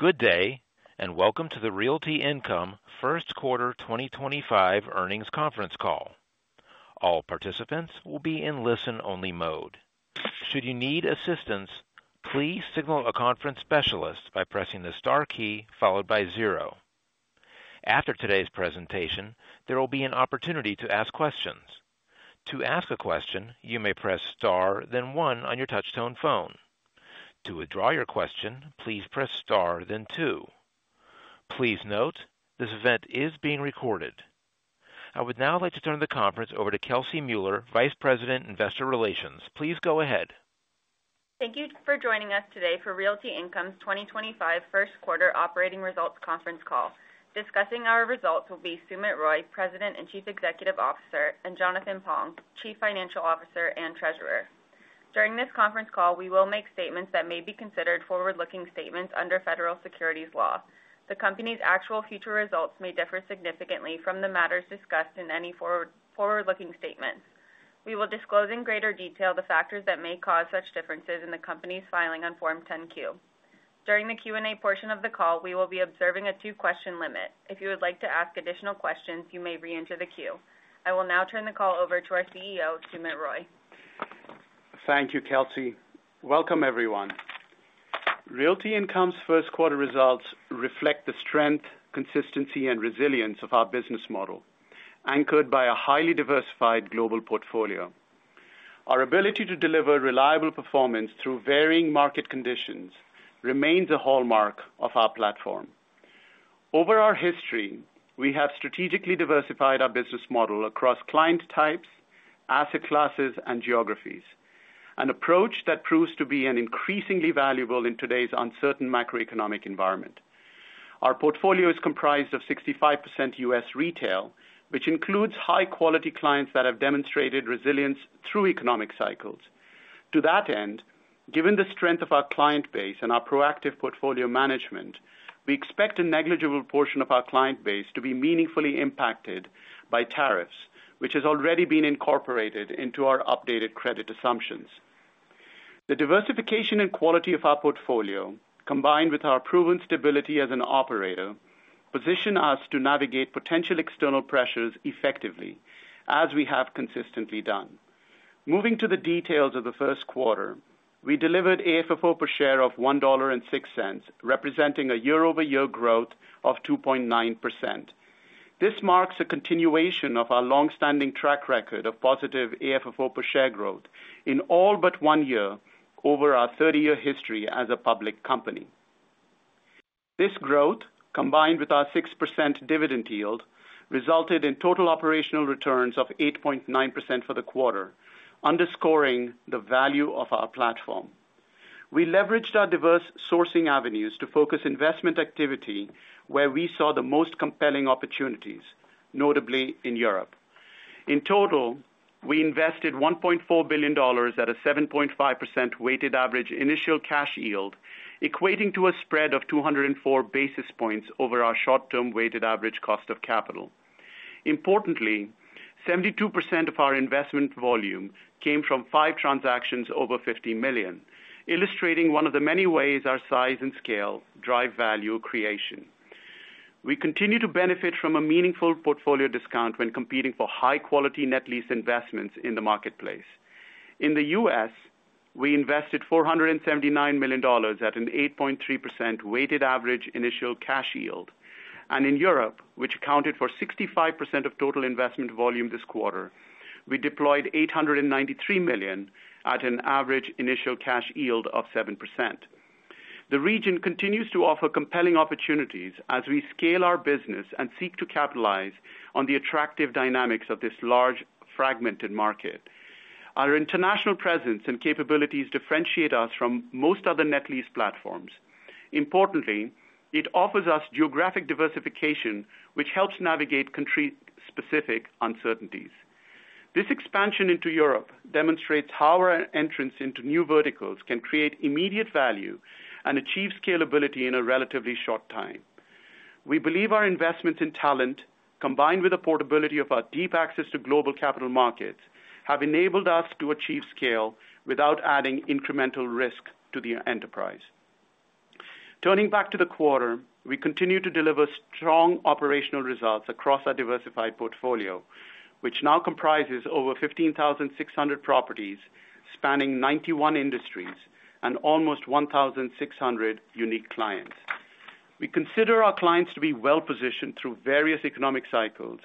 Good day, and welcome to the Realty Income first quarter 2025 earnings conference call. All participants will be in listen-only mode. Should you need assistance, please signal a conference specialist by pressing the star key followed by zero. After today's presentation, there will be an opportunity to ask questions. To ask a question, you may press star, then one on your touch-tone phone. To withdraw your question, please press star, then two. Please note, this event is being recorded. I would now like to turn the conference over to Kelsey Mueller, Vice President, Investor Relations. Please go ahead. Thank you for joining us today for Realty Income's 2025 first quarter operating results conference call. Discussing our results will be Sumit Roy, President and Chief Executive Officer, and Jonathan Pong, Chief Financial Officer and Treasurer. During this conference call, we will make statements that may be considered forward-looking statements under federal securities law. The company's actual future results may differ significantly from the matters discussed in any forward-looking statements. We will disclose in greater detail the factors that may cause such differences in the company's filing on Form 10-Q. During the Q&A portion of the call, we will be observing a two-question limit. If you would like to ask additional questions, you may re-enter the queue. I will now turn the call over to our CEO, Sumit Roy. Thank you, Kelsey. Welcome, everyone. Realty Income's first quarter results reflect the strength, consistency, and resilience of our business model, anchored by a highly diversified global portfolio. Our ability to deliver reliable performance through varying market conditions remains a hallmark of our platform. Over our history, we have strategically diversified our business model across client types, asset classes, and geographies, an approach that proves to be increasingly valuable in today's uncertain macroeconomic environment. Our portfolio is comprised of 65% U.S. retail, which includes high-quality clients that have demonstrated resilience through economic cycles. To that end, given the strength of our client base and our proactive portfolio management, we expect a negligible portion of our client base to be meaningfully impacted by tariffs, which has already been incorporated into our updated credit assumptions. The diversification and quality of our portfolio, combined with our proven stability as an operator, position us to navigate potential external pressures effectively, as we have consistently done. Moving to the details of the first quarter, we delivered a FFO per share of $1.06, representing a year-over-year growth of 2.9%. This marks a continuation of our long-standing track record of positive FFO per share growth in all but one year over our 30-year history as a public company. This growth, combined with our 6% dividend yield, resulted in total operational returns of 8.9% for the quarter, underscoring the value of our platform. We leveraged our diverse sourcing avenues to focus investment activity where we saw the most compelling opportunities, notably in Europe. In total, we invested $1.4 billion at a 7.5% weighted average initial cash yield, equating to a spread of 204 basis points over our short-term weighted average cost of capital. Importantly, 72% of our investment volume came from five transactions over $50 million, illustrating one of the many ways our size and scale drive value creation. We continue to benefit from a meaningful portfolio discount when competing for high-quality net lease investments in the marketplace. In the U.S., we invested $479 million at an 8.3% weighted average initial cash yield, and in Europe, which accounted for 65% of total investment volume this quarter, we deployed $893 million at an average initial cash yield of 7%. The region continues to offer compelling opportunities as we scale our business and seek to capitalize on the attractive dynamics of this large fragmented market. Our international presence and capabilities differentiate us from most other net lease platforms. Importantly, it offers us geographic diversification, which helps navigate country-specific uncertainties. This expansion into Europe demonstrates how our entrance into new verticals can create immediate value and achieve scalability in a relatively short time. We believe our investments in talent, combined with the portability of our deep access to global capital markets, have enabled us to achieve scale without adding incremental risk to the enterprise. Turning back to the quarter, we continue to deliver strong operational results across our diversified portfolio, which now comprises over 15,600 properties spanning 91 industries and almost 1,600 unique clients. We consider our clients to be well-positioned through various economic cycles,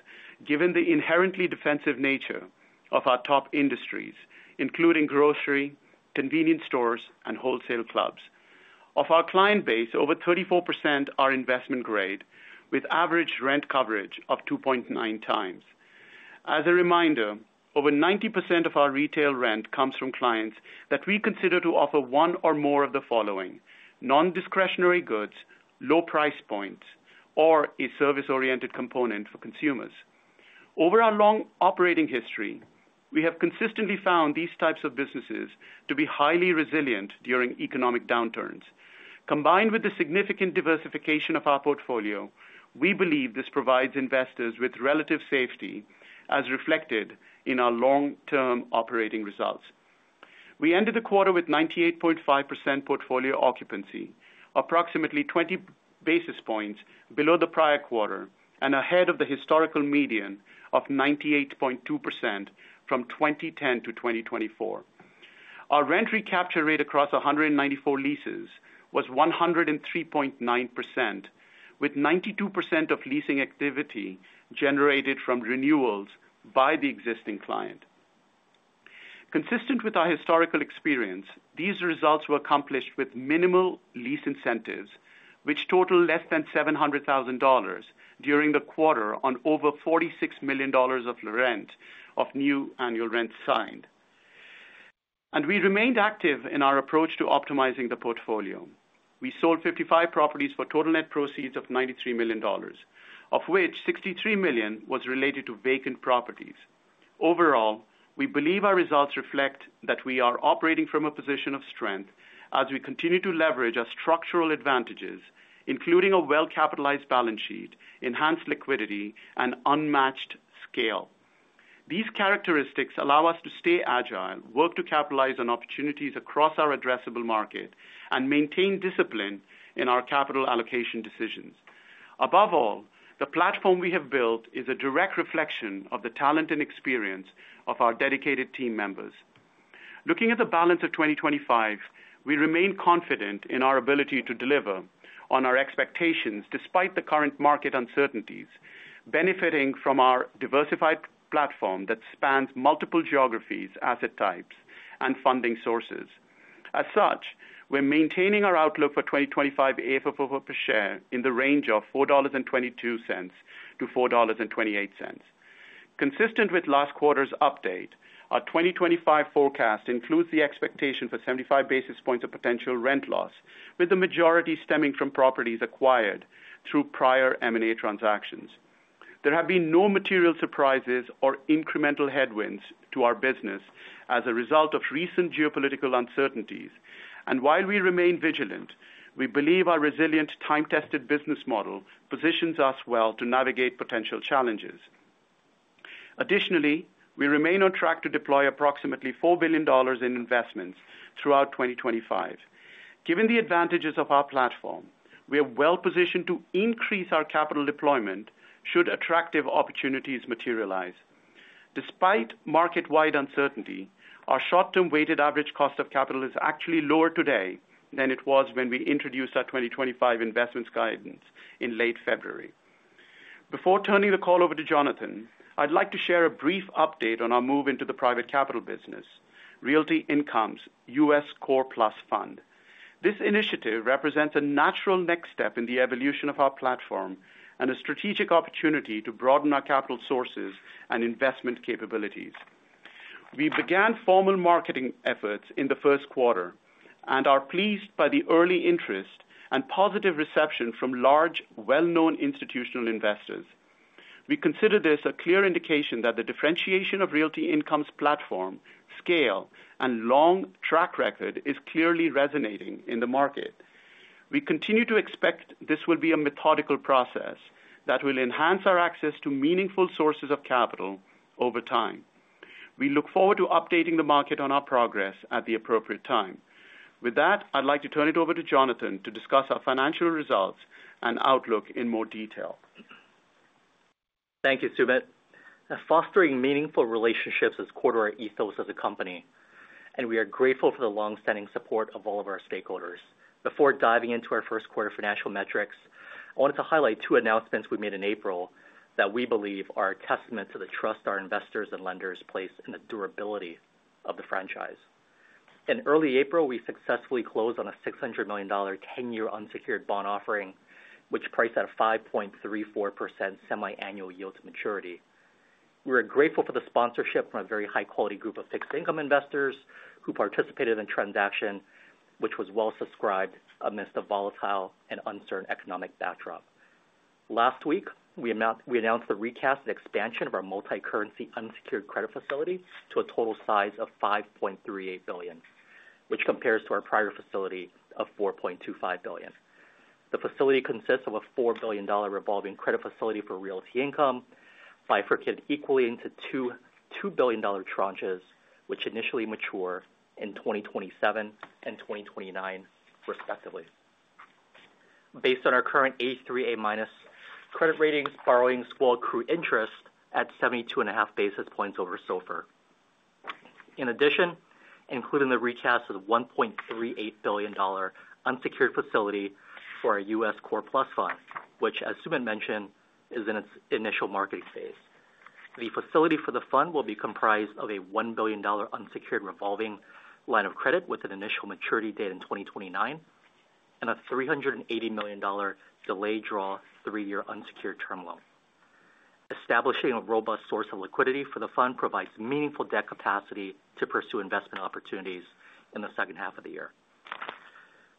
given the inherently defensive nature of our top industries, including grocery, convenience stores, and wholesale clubs. Of our client base, over 34% are investment-grade, with average rent coverage of 2.9x. As a reminder, over 90% of our retail rent comes from clients that we consider to offer one or more of the following: non-discretionary goods, low price points, or a service-oriented component for consumers. Over our long operating history, we have consistently found these types of businesses to be highly resilient during economic downturns. Combined with the significant diversification of our portfolio, we believe this provides investors with relative safety, as reflected in our long-term operating results. We ended the quarter with 98.5% portfolio occupancy, approximately 20 basis points below the prior quarter and ahead of the historical median of 98.2% from 2010-2024. Our rent recapture rate across 194 leases was 103.9%, with 92% of leasing activity generated from renewals by the existing client. Consistent with our historical experience, these results were accomplished with minimal lease incentives, which totaled less than $700,000 during the quarter on over $46 million of new annual rents signed. We remained active in our approach to optimizing the portfolio. We sold 55 properties for total net proceeds of $93 million, of which $63 million was related to vacant properties. Overall, we believe our results reflect that we are operating from a position of strength as we continue to leverage our structural advantages, including a well-capitalized balance sheet, enhanced liquidity, and unmatched scale. These characteristics allow us to stay agile, work to capitalize on opportunities across our addressable market, and maintain discipline in our capital allocation decisions. Above all, the platform we have built is a direct reflection of the talent and experience of our dedicated team members. Looking at the balance of 2025, we remain confident in our ability to deliver on our expectations despite the current market uncertainties, benefiting from our diversified platform that spans multiple geographies, asset types, and funding sources. As such, we're maintaining our outlook for 2025 FFO per share in the range of $4.22-$4.28. Consistent with last quarter's update, our 2025 forecast includes the expectation for 75 basis points of potential rent loss, with the majority stemming from properties acquired through prior M&A transactions. There have been no material surprises or incremental headwinds to our business as a result of recent geopolitical uncertainties, and while we remain vigilant, we believe our resilient, time-tested business model positions us well to navigate potential challenges. Additionally, we remain on track to deploy approximately $4 billion in investments throughout 2025. Given the advantages of our platform, we are well-positioned to increase our capital deployment should attractive opportunities materialize. Despite market-wide uncertainty, our short-term weighted average cost of capital is actually lower today than it was when we introduced our 2025 investments guidance in late February. Before turning the call over to Jonathan, I'd like to share a brief update on our move into the private capital business, Realty Income's U.S. Core Plus Fund. This initiative represents a natural next step in the evolution of our platform and a strategic opportunity to broaden our capital sources and investment capabilities. We began formal marketing efforts in the first quarter and are pleased by the early interest and positive reception from large, well-known institutional investors. We consider this a clear indication that the differentiation of Realty Income's platform, scale, and long track record is clearly resonating in the market. We continue to expect this will be a methodical process that will enhance our access to meaningful sources of capital over time. We look forward to updating the market on our progress at the appropriate time. With that, I'd like to turn it over to Jonathan to discuss our financial results and outlook in more detail. Thank you, Sumit. Fostering meaningful relationships is core to our ethos as a company, and we are grateful for the long-standing support of all of our stakeholders. Before diving into our first quarter financial metrics, I wanted to highlight two announcements we made in April that we believe are a testament to the trust our investors and lenders place in the durability of the franchise. In early April, we successfully closed on a $600 million 10-year unsecured bond offering, which priced at a 5.34% semiannual yield to maturity. We were grateful for the sponsorship from a very high-quality group of fixed income investors who participated in the transaction, which was well-subscribed amidst a volatile and uncertain economic backdrop. Last week, we announced the recast and expansion of our multi-currency unsecured credit facility to a total size of $5.38 billion, which compares to our prior facility of $4.25 billion. The facility consists of a $4 billion revolving credit facility for Realty Income, bifurcated equally into $2 billion tranches, which initially mature in 2027 and 2029, respectively. Based on our current A3/A- credit ratings, borrowings score a crude interest at 72.5 basis points over SOFR. In addition, including the recast of the $1.38 billion unsecured facility for our U.S. Core Plus Fund, which, as Sumit mentioned, is in its initial marketing phase. The facility for the fund will be comprised of a $1 billion unsecured revolving line of credit with an initial maturity date in 2029 and a $380 million delayed draw three-year unsecured term loan. Establishing a robust source of liquidity for the fund provides meaningful debt capacity to pursue investment opportunities in the second half of the year.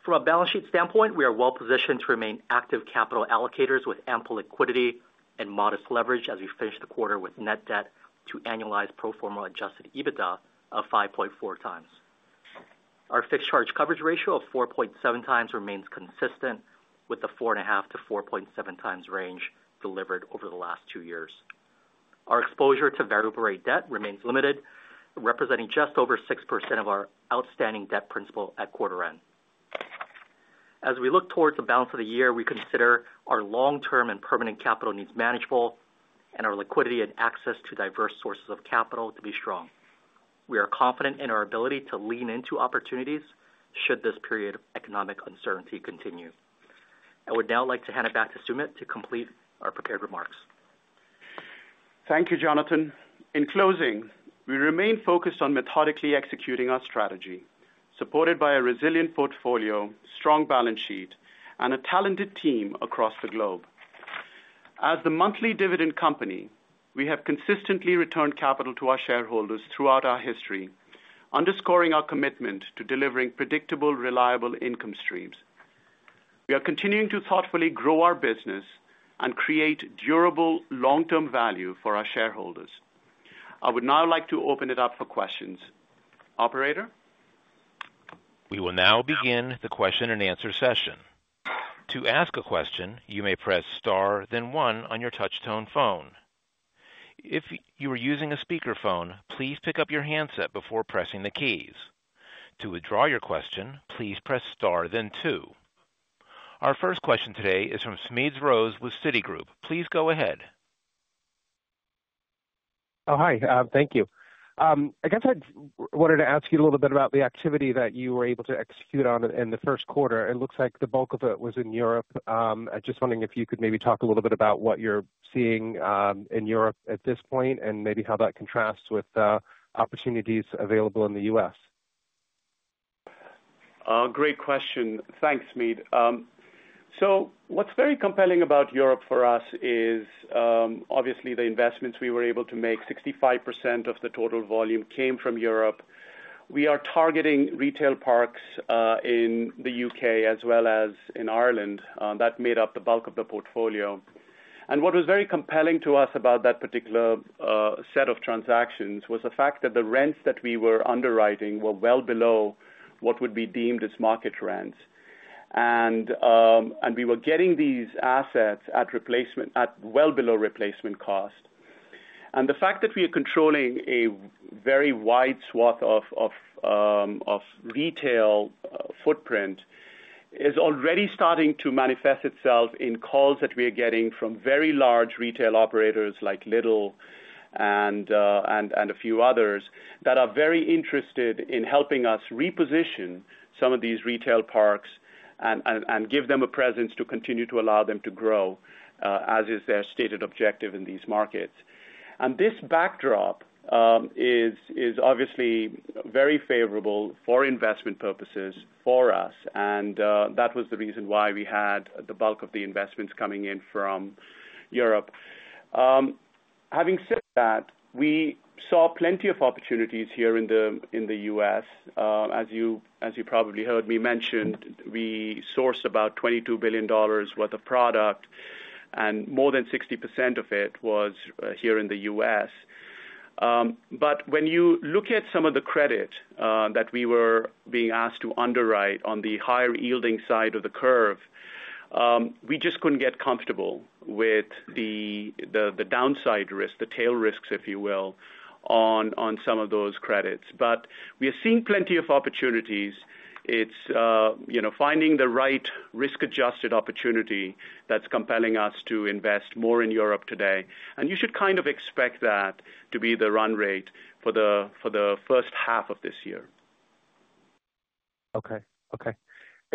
From a balance sheet standpoint, we are well-positioned to remain active capital allocators with ample liquidity and modest leverage as we finish the quarter with net debt to annualized pro forma Adjusted EBITDA of 5.4x. Our fixed charge coverage ratio of 4.7x remains consistent with the 4.5x-4.7x range delivered over the last two years. Our exposure to variable rate debt remains limited, representing just over 6% of our outstanding debt principal at quarter end. As we look towards the balance of the year, we consider our long-term and permanent capital needs manageable and our liquidity and access to diverse sources of capital to be strong. We are confident in our ability to lean into opportunities should this period of economic uncertainty continue. I would now like to hand it back to Sumit to complete our prepared remarks. Thank you, Jonathan. In closing, we remain focused on methodically executing our strategy, supported by a resilient portfolio, strong balance sheet, and a talented team across the globe. As the monthly dividend company, we have consistently returned capital to our shareholders throughout our history, underscoring our commitment to delivering predictable, reliable income streams. We are continuing to thoughtfully grow our business and create durable long-term value for our shareholders. I would now like to open it up for questions. Operator? We will now begin the question-and-answer session. To ask a question, you may press star, then one on your touch-tone phone. If you are using a speakerphone, please pick up your handset before pressing the keys. To withdraw your question, please press star, then two. Our first question today is from Smedes Rose with Citigroup. Please go ahead. Oh, hi. Thank you. I guess I wanted to ask you a little bit about the activity that you were able to execute on in the first quarter. It looks like the bulk of it was in Europe. I'm just wondering if you could maybe talk a little bit about what you're seeing in Europe at this point and maybe how that contrasts with opportunities available in the U.S. Great question. Thanks, Smedes. What is very compelling about Europe for us is, obviously, the investments we were able to make. 65% of the total volume came from Europe. We are targeting retail parks in the U.K. as well as in Ireland. That made up the bulk of the portfolio. What was very compelling to us about that particular set of transactions was the fact that the rents that we were underwriting were well below what would be deemed as market rents. We were getting these assets at well below replacement cost. The fact that we are controlling a very wide swath of retail footprint is already starting to manifest itself in calls that we are getting from very large retail operators like Lidl and a few others that are very interested in helping us reposition some of these retail parks and give them a presence to continue to allow them to grow, as is their stated objective in these markets. This backdrop is obviously very favorable for investment purposes for us. That was the reason why we had the bulk of the investments coming in from Europe. Having said that, we saw plenty of opportunities here in the U.S. As you probably heard me mention, we sourced about $22 billion worth of product, and more than 60% of it was here in the U.S. When you look at some of the credit that we were being asked to underwrite on the higher yielding side of the curve, we just could not get comfortable with the downside risk, the tail risks, if you will, on some of those credits. We are seeing plenty of opportunities. It is finding the right risk-adjusted opportunity that is compelling us to invest more in Europe today. You should kind of expect that to be the run rate for the first half of this year. Okay. Okay.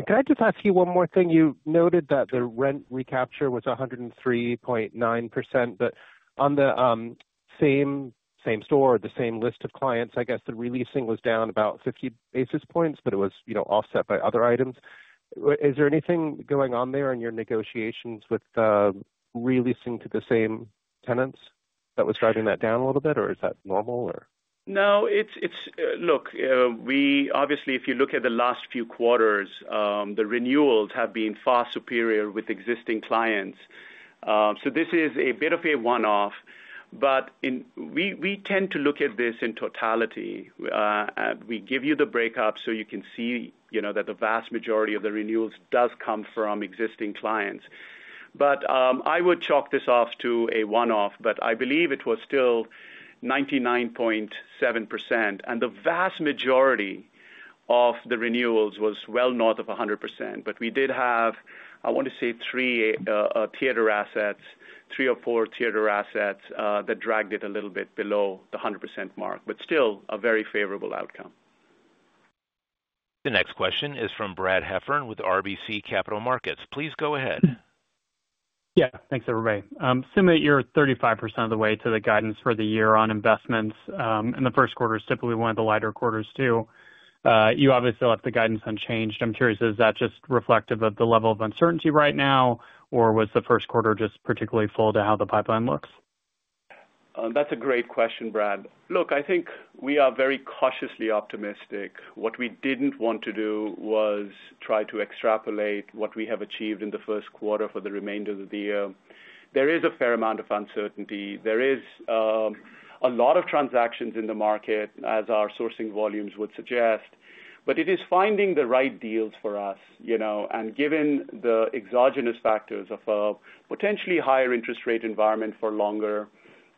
Can I just ask you one more thing? You noted that the rent recapture was 103.9%, but on the same store or the same list of clients, I guess the releasing was down about 50 basis points, but it was offset by other items. Is there anything going on there in your negotiations with releasing to the same tenants that was driving that down a little bit, or is that normal, or? No. Look, obviously, if you look at the last few quarters, the renewals have been far superior with existing clients. This is a bit of a one-off. We tend to look at this in totality. We give you the breakup so you can see that the vast majority of the renewals does come from existing clients. I would chalk this off to a one-off, but I believe it was still 99.7%. The vast majority of the renewals was well north of 100%. We did have, I want to say, three theater assets, three or four theater assets that dragged it a little bit below the 100% mark, but still a very favorable outcome. The next question is from Brad Heffern with RBC Capital Markets. Please go ahead. Yeah. Thanks, everybody. Sumit, you're 35% of the way to the guidance for the year on investments. The first quarter is typically one of the lighter quarters, too. You obviously left the guidance unchanged. I'm curious, is that just reflective of the level of uncertainty right now, or was the first quarter just particularly full to how the pipeline looks? That's a great question, Brad. Look, I think we are very cautiously optimistic. What we did not want to do was try to extrapolate what we have achieved in the first quarter for the remainder of the year. There is a fair amount of uncertainty. There are a lot of transactions in the market, as our sourcing volumes would suggest. It is finding the right deals for us. Given the exogenous factors of a potentially higher interest rate environment for longer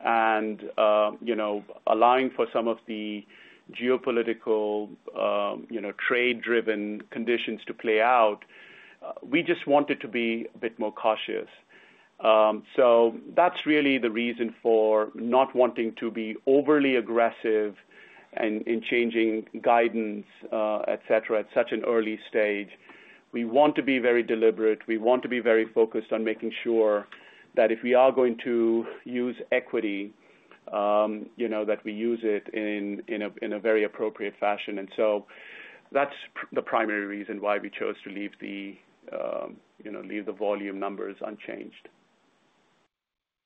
and allowing for some of the geopolitical trade-driven conditions to play out, we just wanted to be a bit more cautious. That is really the reason for not wanting to be overly aggressive in changing guidance, etc., at such an early stage. We want to be very deliberate. We want to be very focused on making sure that if we are going to use equity, that we use it in a very appropriate fashion. That is the primary reason why we chose to leave the volume numbers unchanged.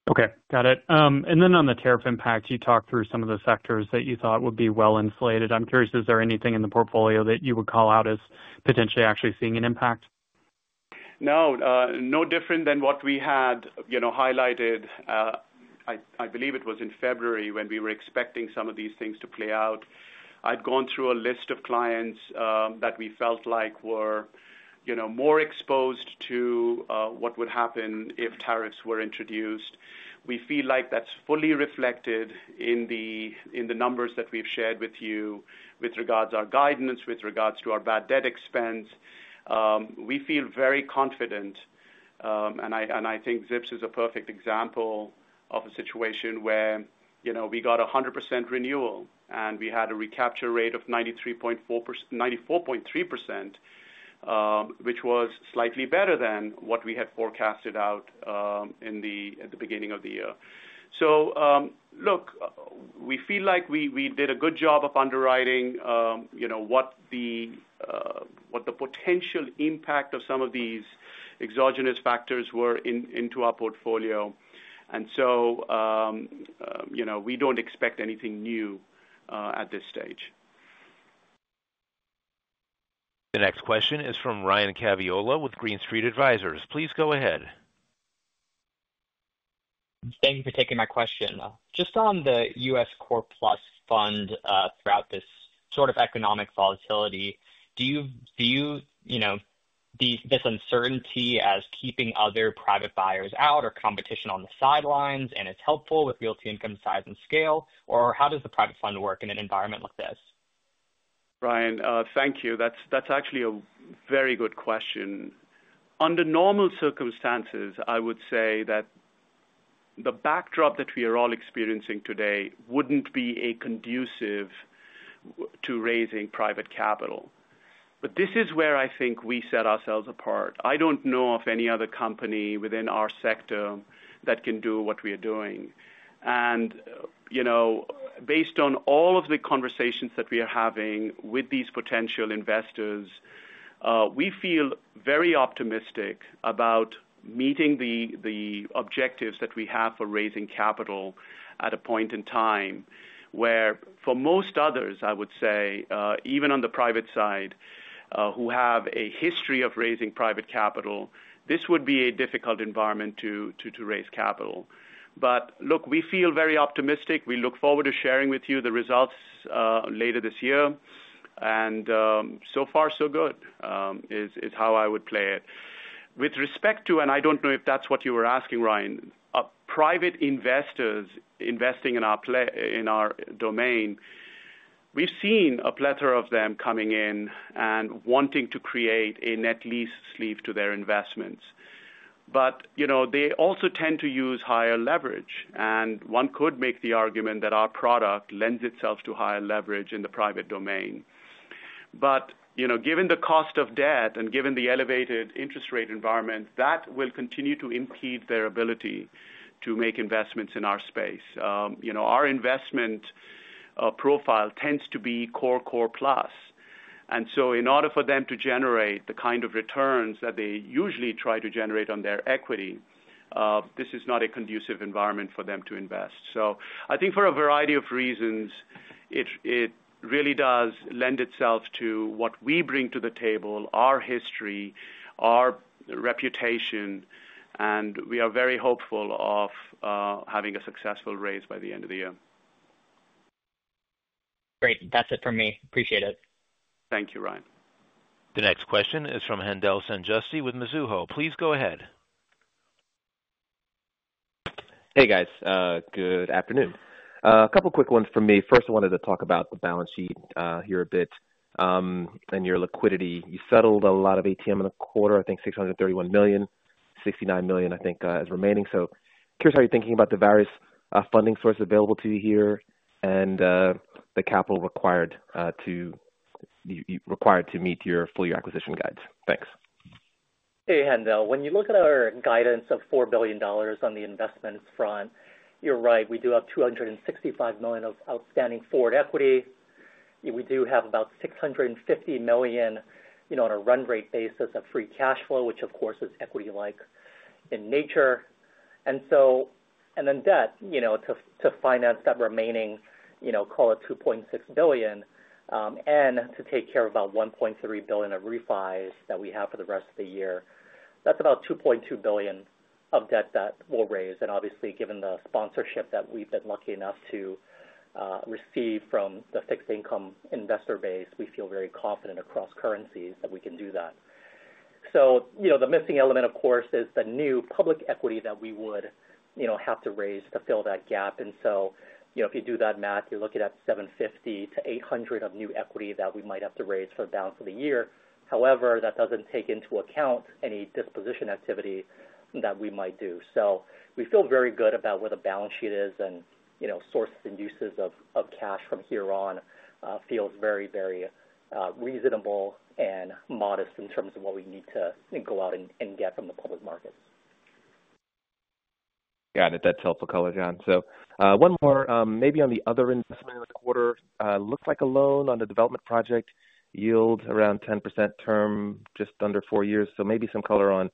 Okay. Got it. On the tariff impact, you talked through some of the sectors that you thought would be well inflated. I'm curious, is there anything in the portfolio that you would call out as potentially actually seeing an impact? No. No different than what we had highlighted. I believe it was in February when we were expecting some of these things to play out. I had gone through a list of clients that we felt like were more exposed to what would happen if tariffs were introduced. We feel like that's fully reflected in the numbers that we've shared with you with regards to our guidance, with regards to our bad debt expense. We feel very confident. I think Zips is a perfect example of a situation where we got 100% renewal, and we had a recapture rate of 93.3%, which was slightly better than what we had forecasted out at the beginning of the year. We feel like we did a good job of underwriting what the potential impact of some of these exogenous factors were into our portfolio. We do not expect anything new at this stage. The next question is from Ryan Caviola with Green Street Advisors. Please go ahead. Thank you for taking my question. Just on the U.S. Core Plus Fund throughout this sort of economic volatility, do you view this uncertainty as keeping other private buyers out or competition on the sidelines and as helpful with Realty Income size and scale, or how does the private fund work in an environment like this? Ryan, thank you. That's actually a very good question. Under normal circumstances, I would say that the backdrop that we are all experiencing today wouldn't be conducive to raising private capital. This is where I think we set ourselves apart. I don't know of any other company within our sector that can do what we are doing. Based on all of the conversations that we are having with these potential investors, we feel very optimistic about meeting the objectives that we have for raising capital at a point in time where, for most others, I would say, even on the private side, who have a history of raising private capital, this would be a difficult environment to raise capital. Look, we feel very optimistic. We look forward to sharing with you the results later this year. So far, so good is how I would play it. With respect to, and I don't know if that's what you were asking, Ryan, private investors investing in our domain, we've seen a plethora of them coming in and wanting to create a net lease sleeve to their investments. They also tend to use higher leverage. One could make the argument that our product lends itself to higher leverage in the private domain. Given the cost of debt and given the elevated interest rate environment, that will continue to impede their ability to make investments in our space. Our investment profile tends to be core, core plus. In order for them to generate the kind of returns that they usually try to generate on their equity, this is not a conducive environment for them to invest. I think for a variety of reasons, it really does lend itself to what we bring to the table, our history, our reputation. We are very hopeful of having a successful raise by the end of the year. Great. That's it for me. Appreciate it. Thank you, Ryan. The next question is from Haendel St. Juste with Mizuho. Please go ahead. Hey, guys. Good afternoon. A couple of quick ones for me. First, I wanted to talk about the balance sheet here a bit and your liquidity. You settled a lot of ATM in the quarter, I think $631 million, $69 million, I think, as remaining. Curious how you're thinking about the various funding sources available to you here and the capital required to meet your full-year acquisition guides. Thanks. Hey, Haendel. When you look at our guidance of $4 billion on the investment front, you're right. We do have $265 million of outstanding forward equity. We do have about $650 million on a run rate basis of free cash flow, which, of course, is equity-like in nature. Then debt to finance that remaining, call it $2.6 billion, and to take care of about $1.3 billion of refis that we have for the rest of the year. That's about $2.2 billion of debt that we'll raise. Obviously, given the sponsorship that we've been lucky enough to receive from the fixed-income investor base, we feel very confident across currencies that we can do that. The missing element, of course, is the new public equity that we would have to raise to fill that gap. If you do that math, you're looking at $750 million-$800 million of new equity that we might have to raise for the balance of the year. However, that doesn't take into account any disposition activity that we might do. We feel very good about where the balance sheet is, and sources and uses of cash from here on feels very, very reasonable and modest in terms of what we need to go out and get from the public markets. Got it. That is helpful color. One more, maybe on the other investment in the quarter, looks like a loan on a development project, yield around 10%, term just under four years. Maybe some color on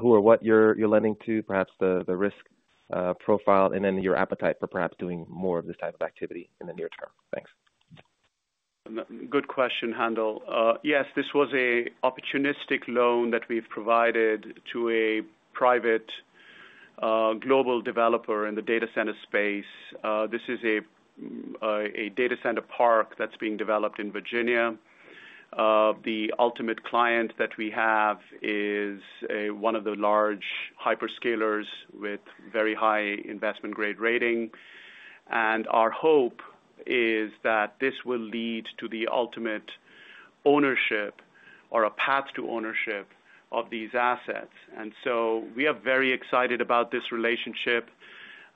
who or what you are lending to, perhaps the risk profile, and then your appetite for perhaps doing more of this type of activity in the near term. Thanks. Good question, Haendel. Yes, this was an opportunistic loan that we've provided to a private global developer in the data center space. This is a data center park that's being developed in Virginia. The ultimate client that we have is one of the large hyperscalers with very high investment-grade rating. Our hope is that this will lead to the ultimate ownership or a path to ownership of these assets. We are very excited about this relationship.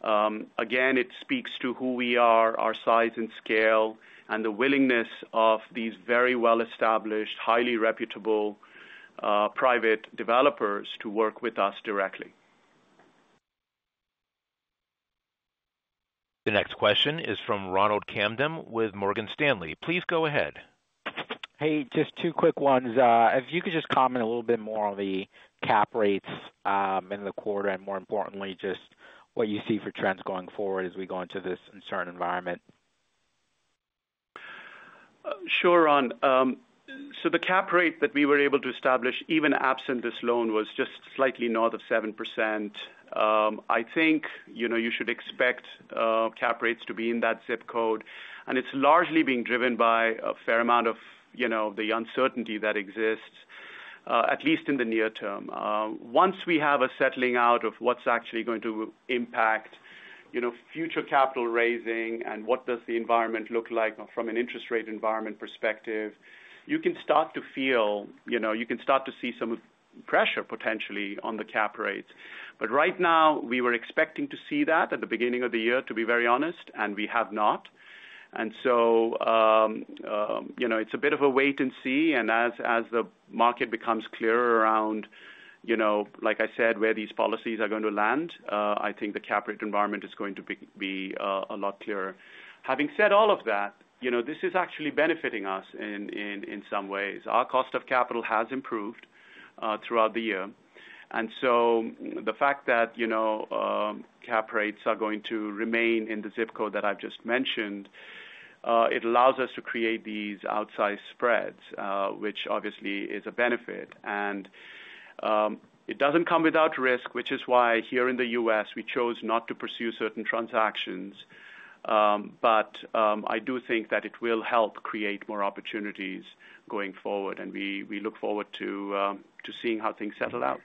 It speaks to who we are, our size and scale, and the willingness of these very well-established, highly reputable private developers to work with us directly. The next question is from Ronald Kamden with Morgan Stanley. Please go ahead. Hey, just two quick ones. If you could just comment a little bit more on the cap rates in the quarter and, more importantly, just what you see for trends going forward as we go into this uncertain environment. Sure, Ron. The cap rate that we were able to establish, even absent this loan, was just slightly north of 7%. I think you should expect cap rates to be in that zip code. It is largely being driven by a fair amount of the uncertainty that exists, at least in the near term. Once we have a settling out of what is actually going to impact future capital raising and what the environment looks like from an interest rate environment perspective, you can start to feel, you can start to see some pressure potentially on the cap rates. Right now, we were expecting to see that at the beginning of the year, to be very honest, and we have not. It is a bit of a wait and see. As the market becomes clearer around, like I said, where these policies are going to land, I think the cap rate environment is going to be a lot clearer. Having said all of that, this is actually benefiting us in some ways. Our cost of capital has improved throughout the year. The fact that cap rates are going to remain in the zip code that I've just mentioned, it allows us to create these outsized spreads, which obviously is a benefit. It does not come without risk, which is why here in the U.S., we chose not to pursue certain transactions. I do think that it will help create more opportunities going forward. We look forward to seeing how things settle out.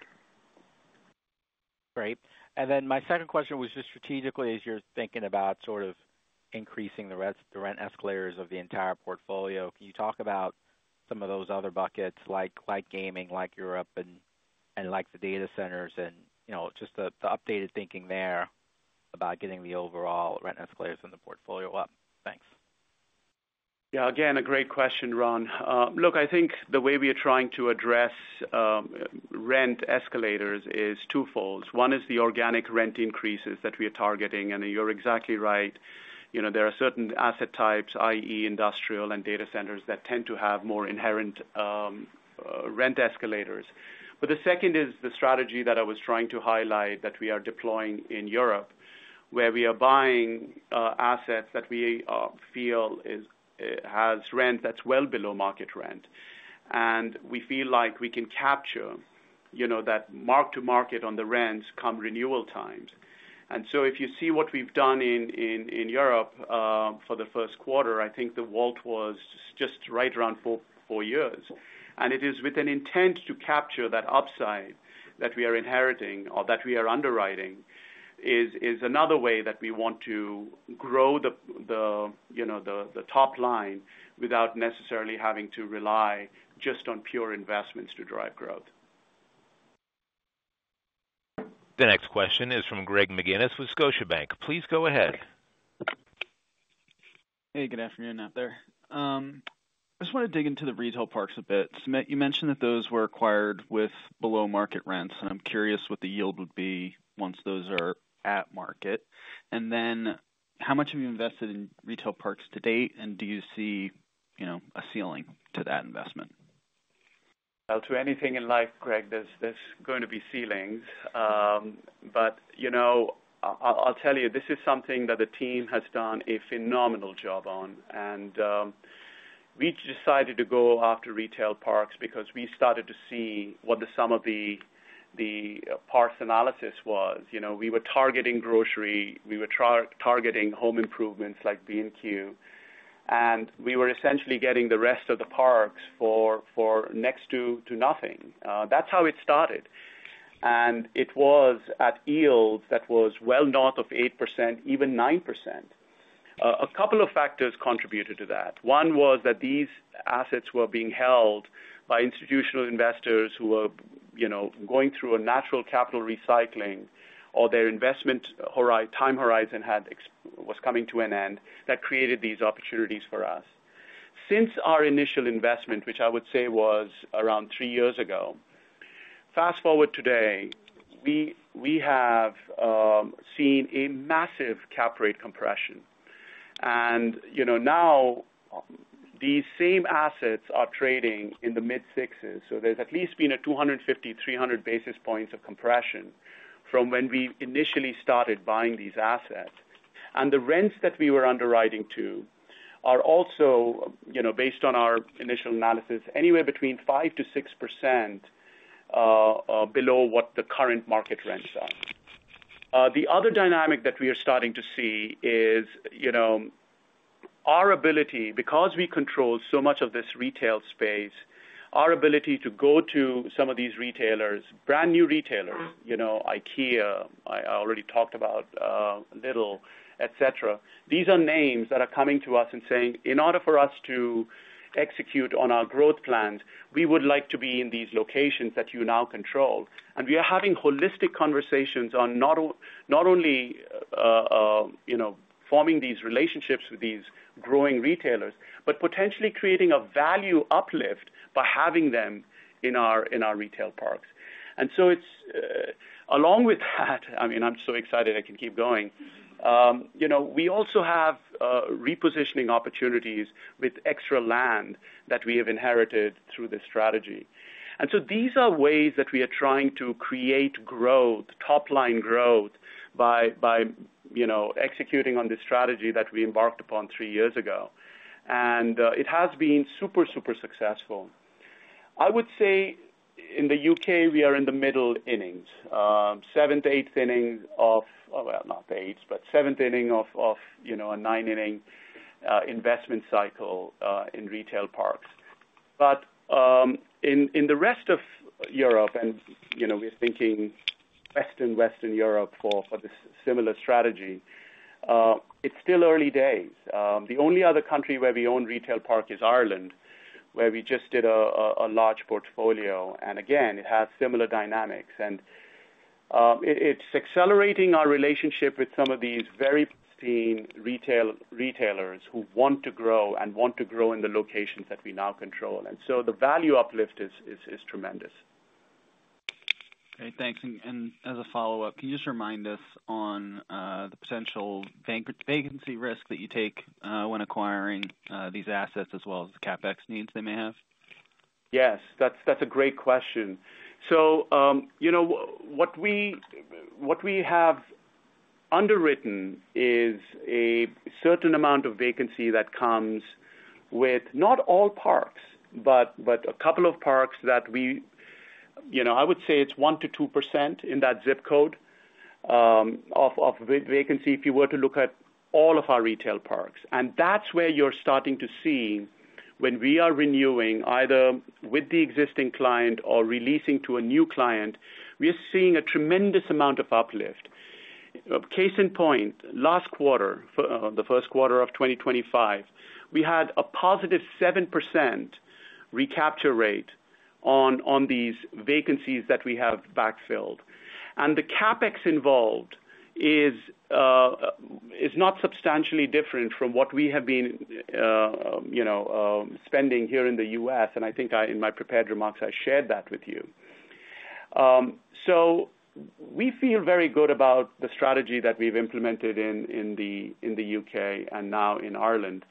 Great. My second question was just strategically, as you're thinking about sort of increasing the rent escalators of the entire portfolio, can you talk about some of those other buckets like gaming, like Europe, and like the data centers, and just the updated thinking there about getting the overall rent escalators in the portfolio up? Thanks. Yeah, again, a great question, Ron. Look, I think the way we are trying to address rent escalators is twofold. One is the organic rent increases that we are targeting. And you're exactly right. There are certain asset types, i.e., industrial and data centers, that tend to have more inherent rent escalators. The second is the strategy that I was trying to highlight that we are deploying in Europe, where we are buying assets that we feel has rent that's well below market rent. We feel like we can capture that mark-to-market on the rents come renewal times. If you see what we've done in Europe for the first quarter, I think the vault was just right around four years. It is with an intent to capture that upside that we are inheriting or that we are underwriting is another way that we want to grow the top line without necessarily having to rely just on pure investments to drive growth. The next question is from Greg McGinnis with Scotiabank. Please go ahead. Hey, good afternoon out there. I just want to dig into the retail parks a bit. You mentioned that those were acquired with below-market rents. I'm curious what the yield would be once those are at market. How much have you invested in retail parks to date, and do you see a ceiling to that investment? To anything in life, Greg, there is going to be ceilings. I will tell you, this is something that the team has done a phenomenal job on. We decided to go after retail parks because we started to see what the sum of the parks analysis was. We were targeting grocery. We were targeting home improvements like B&Q. We were essentially getting the rest of the parks for next to nothing. That is how it started. It was at yields that were well north of 8%, even 9%. A couple of factors contributed to that. One was that these assets were being held by institutional investors who were going through a natural capital recycling or their investment time horizon was coming to an end that created these opportunities for us. Since our initial investment, which I would say was around three years ago, fast forward today, we have seen a massive cap rate compression. Now these same assets are trading in the mid-sixes. There has at least been a 250-300 basis points of compression from when we initially started buying these assets. The rents that we were underwriting to are also, based on our initial analysis, anywhere between 5%-6% below what the current market rents are. The other dynamic that we are starting to see is our ability, because we control so much of this retail space, our ability to go to some of these retailers, brand new retailers, IKEA, I already talked about a little, etc. These are names that are coming to us and saying, "In order for us to execute on our growth plans, we would like to be in these locations that you now control." We are having holistic conversations on not only forming these relationships with these growing retailers, but potentially creating a value uplift by having them in our retail parks. I mean, I'm so excited I can keep going. We also have repositioning opportunities with extra land that we have inherited through this strategy. These are ways that we are trying to create growth, top-line growth, by executing on this strategy that we embarked upon three years ago. It has been super, super successful. I would say in the U.K., we are in the middle innings, seventh, eighth inning of, well, not eighth, but seventh inning of a nine-inning investment cycle in retail parks. In the rest of Europe, and we're thinking Western, Western Europe for this similar strategy, it's still early days. The only other country where we own retail park is Ireland, where we just did a large portfolio. It has similar dynamics. It's accelerating our relationship with some of these very pristine retailers who want to grow and want to grow in the locations that we now control. The value uplift is tremendous. Great. Thanks. As a follow-up, can you just remind us on the potential vacancy risk that you take when acquiring these assets as well as the CapEx needs they may have? Yes. That's a great question. What we have underwritten is a certain amount of vacancy that comes with not all parks, but a couple of parks that I would say is 1%-2% in that zip code of vacancy if you were to look at all of our retail parks. That's where you're starting to see when we are renewing either with the existing client or releasing to a new client, we are seeing a tremendous amount of uplift. Case in point, last quarter, the first quarter of 2025, we had a positive 7% recapture rate on these vacancies that we have backfilled. The CapEx involved is not substantially different from what we have been spending here in the U.S. I think in my prepared remarks, I shared that with you. We feel very good about the strategy that we've implemented in the U.K. and now in Ireland.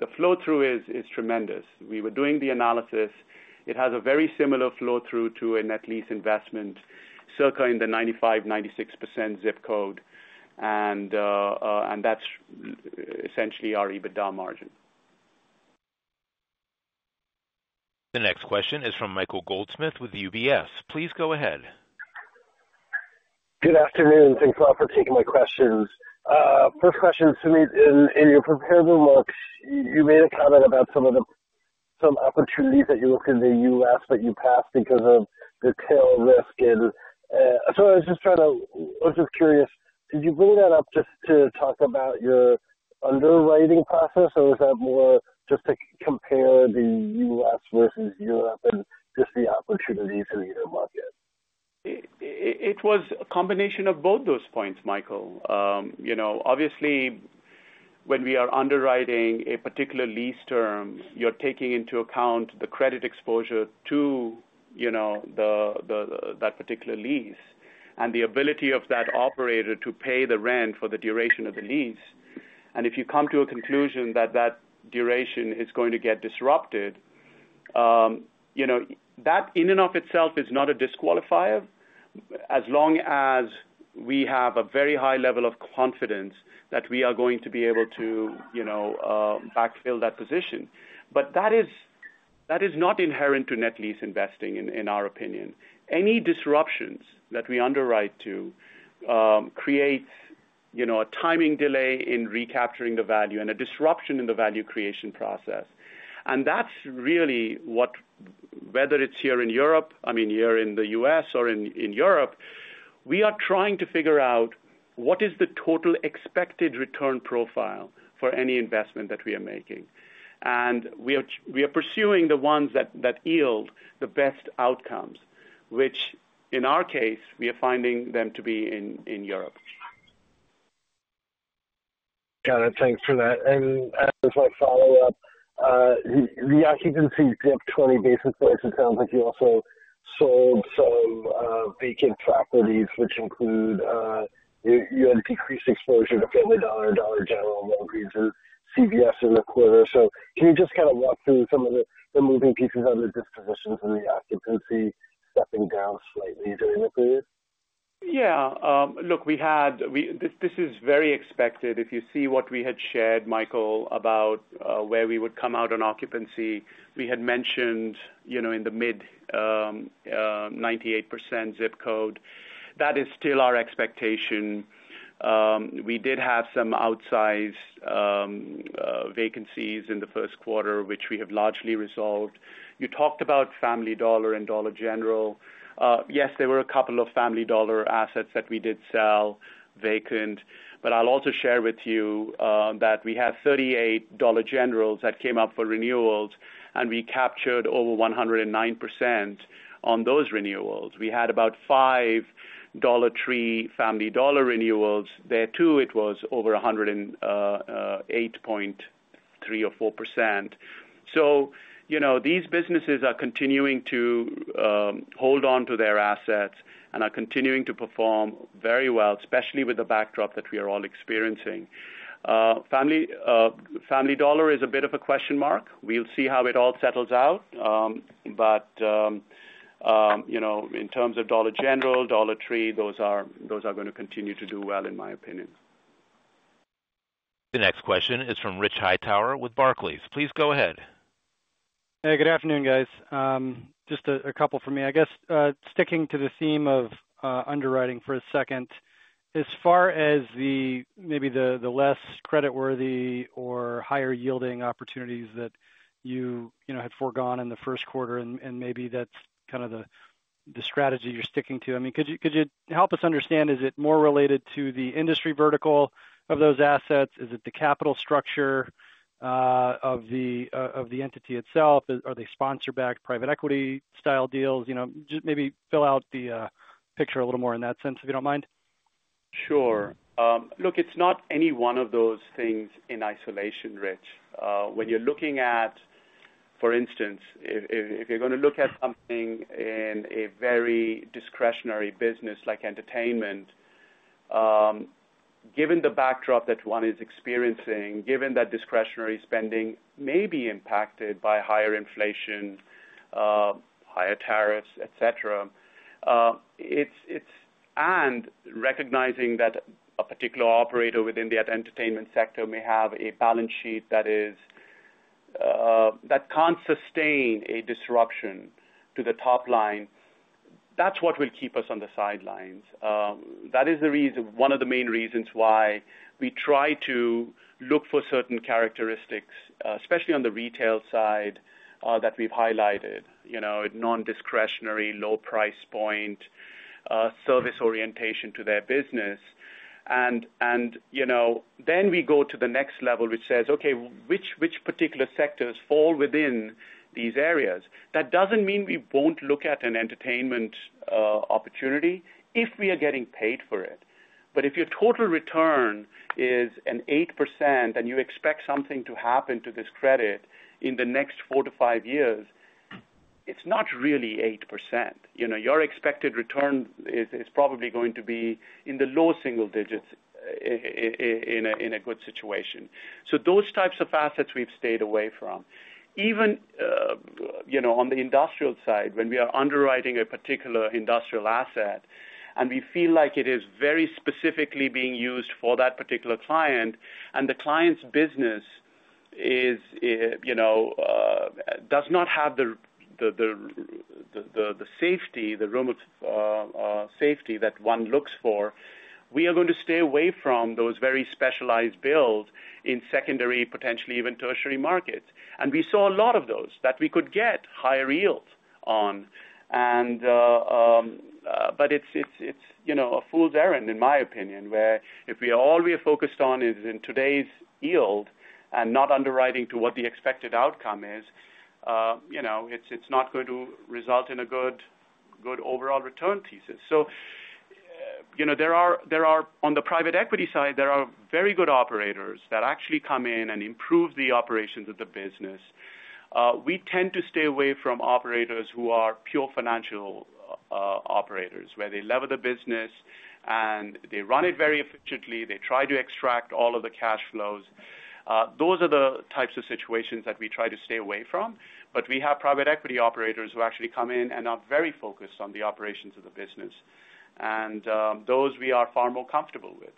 The flow-through is tremendous. We were doing the analysis. It has a very similar flow-through to an at-lease investment circa in the 95%-96% zip code. That's essentially our EBITDA margin. The next question is from Michael Goldsmith with UBS. Please go ahead. Good afternoon. Thanks a lot for taking my questions. First question, Sumit, in your prepared remarks, you made a comment about some opportunities that you looked in the U.S., but you passed because of the tail risk. I was just curious, did you bring that up just to talk about your underwriting process, or was that more just to compare the U.S. versus Europe and just the opportunities in either market? It was a combination of both those points, Michael. Obviously, when we are underwriting a particular lease term, you're taking into account the credit exposure to that particular lease and the ability of that operator to pay the rent for the duration of the lease. If you come to a conclusion that that duration is going to get disrupted, that in and of itself is not a disqualifier as long as we have a very high level of confidence that we are going to be able to backfill that position. That is not inherent to net lease investing, in our opinion. Any disruptions that we underwrite to create a timing delay in recapturing the value and a disruption in the value creation process. That's really what, whether it's here in Europe, I mean, here in the U.S. or in Europe, we are trying to figure out what is the total expected return profile for any investment that we are making. We are pursuing the ones that yield the best outcomes, which in our case, we are finding them to be in Europe. Got it. Thanks for that. As my follow-up, the occupancy zipped 20 basis points. It sounds like you also sold some vacant properties, which include you had decreased exposure to Family Dollar, Dollar General, Walgreens, and CVS in the quarter. Can you just kind of walk through some of the moving pieces on the dispositions and the occupancy stepping down slightly during the period? Yeah. Look, this is very expected. If you see what we had shared, Michael, about where we would come out on occupancy, we had mentioned in the mid-98% zip code. That is still our expectation. We did have some outsized vacancies in the first quarter, which we have largely resolved. You talked about Family Dollar and Dollar General. Yes, there were a couple of Family Dollar assets that we did sell vacant. I'll also share with you that we have 38 Dollar Generals that came up for renewals, and we captured over 109% on those renewals. We had about five Dollar Tree Family Dollar renewals. There too, it was over 108.3% or 4%. These businesses are continuing to hold on to their assets and are continuing to perform very well, especially with the backdrop that we are all experiencing. Family Dollar is a bit of a question mark. We'll see how it all settles out. In terms of Dollar General, Dollar Tree, those are going to continue to do well, in my opinion. The next question is from Rich Hightower with Barclays. Please go ahead. Hey, good afternoon, guys. Just a couple for me. I guess sticking to the theme of underwriting for a second, as far as maybe the less credit-worthy or higher-yielding opportunities that you had foregone in the first quarter, and maybe that's kind of the strategy you're sticking to, I mean, could you help us understand, is it more related to the industry vertical of those assets? Is it the capital structure of the entity itself? Are they sponsor-backed private equity-style deals? Just maybe fill out the picture a little more in that sense, if you don't mind. Sure. Look, it's not any one of those things in isolation, Rich. When you're looking at, for instance, if you're going to look at something in a very discretionary business like entertainment, given the backdrop that one is experiencing, given that discretionary spending may be impacted by higher inflation, higher tariffs, et cetera, and recognizing that a particular operator within the entertainment sector may have a balance sheet that can't sustain a disruption to the top line, that's what will keep us on the sidelines. That is one of the main reasons why we try to look for certain characteristics, especially on the retail side that we've highlighted, non-discretionary, low price point, service orientation to their business. We go to the next level, which says, "Okay, which particular sectors fall within these areas?" That does not mean we will not look at an entertainment opportunity if we are getting paid for it. If your total return is an 8% and you expect something to happen to this credit in the next four to five years, it is not really 8%. Your expected return is probably going to be in the low single digits in a good situation. Those types of assets we have stayed away from. Even on the industrial side, when we are underwriting a particular industrial asset and we feel like it is very specifically being used for that particular client and the client's business does not have the safety, the remote safety that one looks for, we are going to stay away from those very specialized builds in secondary, potentially even tertiary markets. We saw a lot of those that we could get higher yields on. It is a fool's errand, in my opinion, where if all we are focused on is in today's yield and not underwriting to what the expected outcome is, it is not going to result in a good overall return thesis. On the private equity side, there are very good operators that actually come in and improve the operations of the business. We tend to stay away from operators who are pure financial operators, where they lever the business and they run it very efficiently. They try to extract all of the cash flows. Those are the types of situations that we try to stay away from. We have private equity operators who actually come in and are very focused on the operations of the business. Those we are far more comfortable with.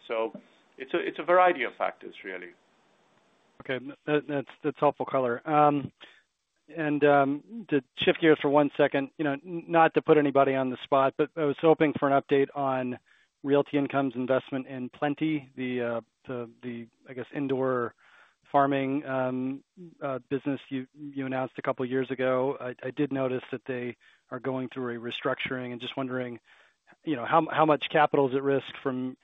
It is a variety of factors, really. Okay. That's helpful color. To shift gears for one second, not to put anybody on the spot, but I was hoping for an update on Realty Income's investment in Plenty, the, I guess, indoor farming business you announced a couple of years ago. I did notice that they are going through a restructuring and just wondering how much capital is at risk from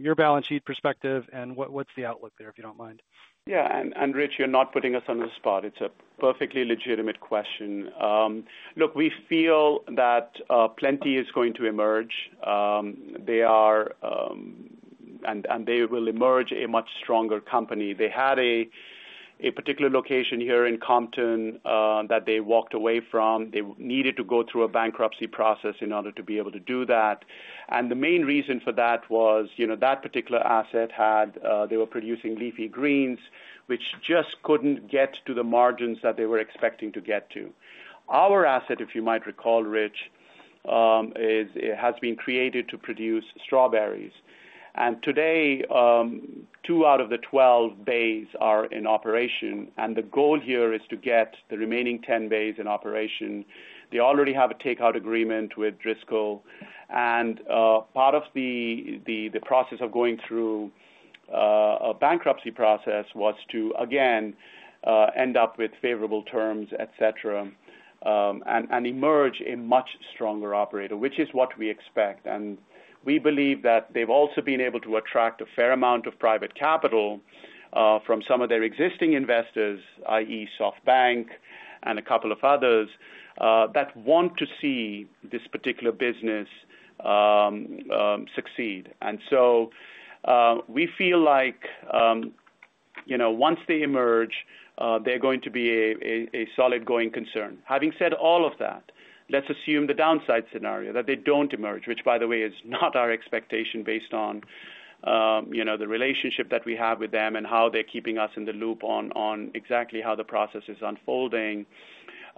your balance sheet perspective and what's the outlook there, if you don't mind. Yeah. Rich, you're not putting us on the spot. It's a perfectly legitimate question. Look, we feel that Plenty is going to emerge. They will emerge a much stronger company. They had a particular location here in Compton that they walked away from. They needed to go through a bankruptcy process in order to be able to do that. The main reason for that was that particular asset had they were producing leafy greens, which just could not get to the margins that they were expecting to get to. Our asset, if you might recall, Rich, has been created to produce strawberries. Today, two out of the 12 bays are in operation. The goal here is to get the remaining 10 bays in operation. They already have a takeout agreement with Driscoll. Part of the process of going through a bankruptcy process was to, again, end up with favorable terms, etc., and emerge a much stronger operator, which is what we expect. We believe that they've also been able to attract a fair amount of private capital from some of their existing investors, i.e., SoftBank and a couple of others that want to see this particular business succeed. We feel like once they emerge, they're going to be a solid going concern. Having said all of that, let's assume the downside scenario that they don't emerge, which, by the way, is not our expectation based on the relationship that we have with them and how they're keeping us in the loop on exactly how the process is unfolding.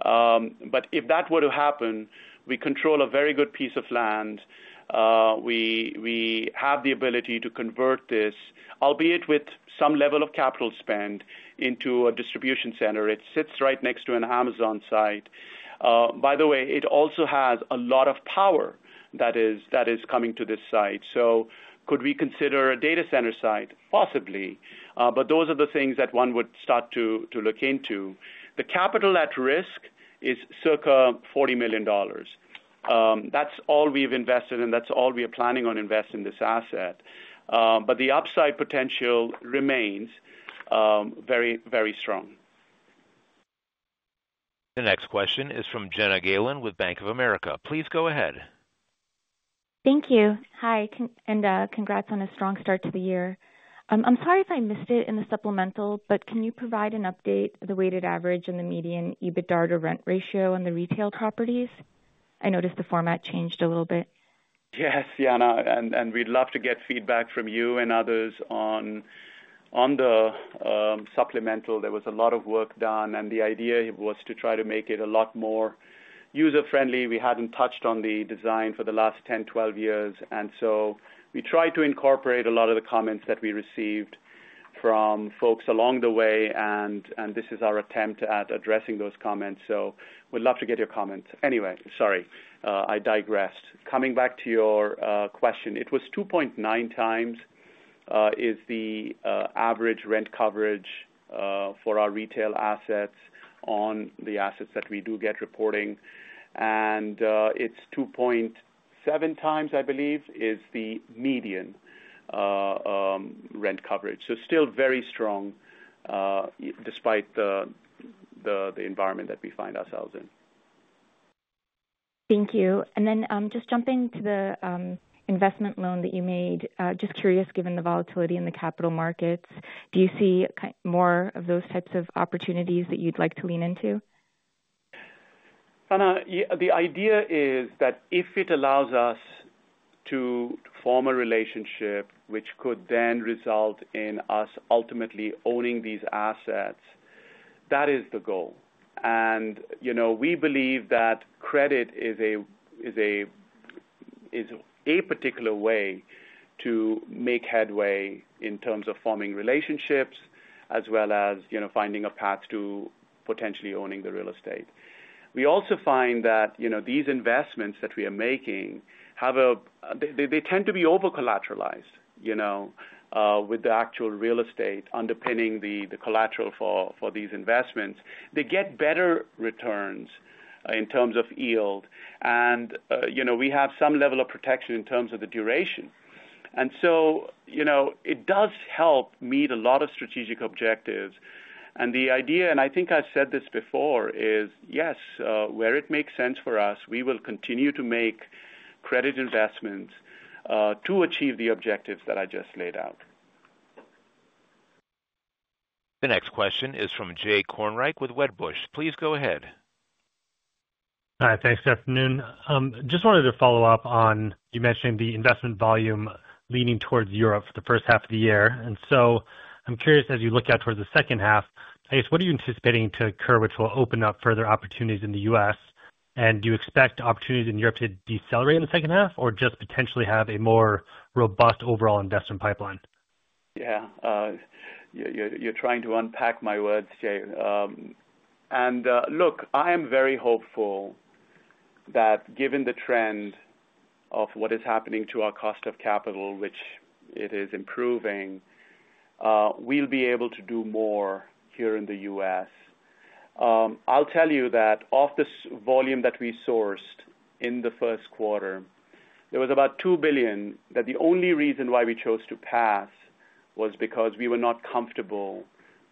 If that were to happen, we control a very good piece of land. We have the ability to convert this, albeit with some level of capital spend, into a distribution center. It sits right next to an Amazon site. By the way, it also has a lot of power that is coming to this site. Could we consider a data center site? Possibly. Those are the things that one would start to look into. The capital at risk is circa $40 million. That is all we have invested, and that is all we are planning on investing in this asset. The upside potential remains very, very strong. The next question is from Jana Galan with Bank of America. Please go ahead. Thank you. Hi. And congrats on a strong start to the year. I'm sorry if I missed it in the supplemental, but can you provide an update of the weighted average and the median EBITDA to rent ratio on the retail properties? I noticed the format changed a little bit. Yes, Jana. We'd love to get feedback from you and others on the supplemental. There was a lot of work done, and the idea was to try to make it a lot more user-friendly. We had not touched on the design for the last 10-12 years. We tried to incorporate a lot of the comments that we received from folks along the way, and this is our attempt at addressing those comments. We'd love to get your comments. Anyway, sorry, I digressed. Coming back to your question, it was 2.9x is the average rent coverage for our retail assets on the assets that we do get reporting. It is 2.7x, I believe, is the median rent coverage. Still very strong despite the environment that we find ourselves in. Thank you. Just jumping to the investment loan that you made, just curious, given the volatility in the capital markets, do you see more of those types of opportunities that you'd like to lean into? Jana, the idea is that if it allows us to form a relationship, which could then result in us ultimately owning these assets, that is the goal. We believe that credit is a particular way to make headway in terms of forming relationships as well as finding a path to potentially owning the real estate. We also find that these investments that we are making, they tend to be over-collateralized with the actual real estate underpinning the collateral for these investments. They get better returns in terms of yield. We have some level of protection in terms of the duration. It does help meet a lot of strategic objectives. The idea, and I think I've said this before, is yes, where it makes sense for us, we will continue to make credit investments to achieve the objectives that I just laid out. The next question is from Jay Kornreich with Wedbush. Please go ahead. Hi. Thanks for the afternoon. Just wanted to follow up on you mentioning the investment volume leaning towards Europe for the first half of the year. I'm curious, as you look out towards the second half, I guess, what are you anticipating to occur, which will open up further opportunities in the U.S.? Do you expect opportunities in Europe to decelerate in the second half or just potentially have a more robust overall investment pipeline? Yeah. You're trying to unpack my words, Jay. Look, I am very hopeful that given the trend of what is happening to our cost of capital, which it is improving, we'll be able to do more here in the U.S. I'll tell you that of the volume that we sourced in the first quarter, there was about $2 billion that the only reason why we chose to pass was because we were not comfortable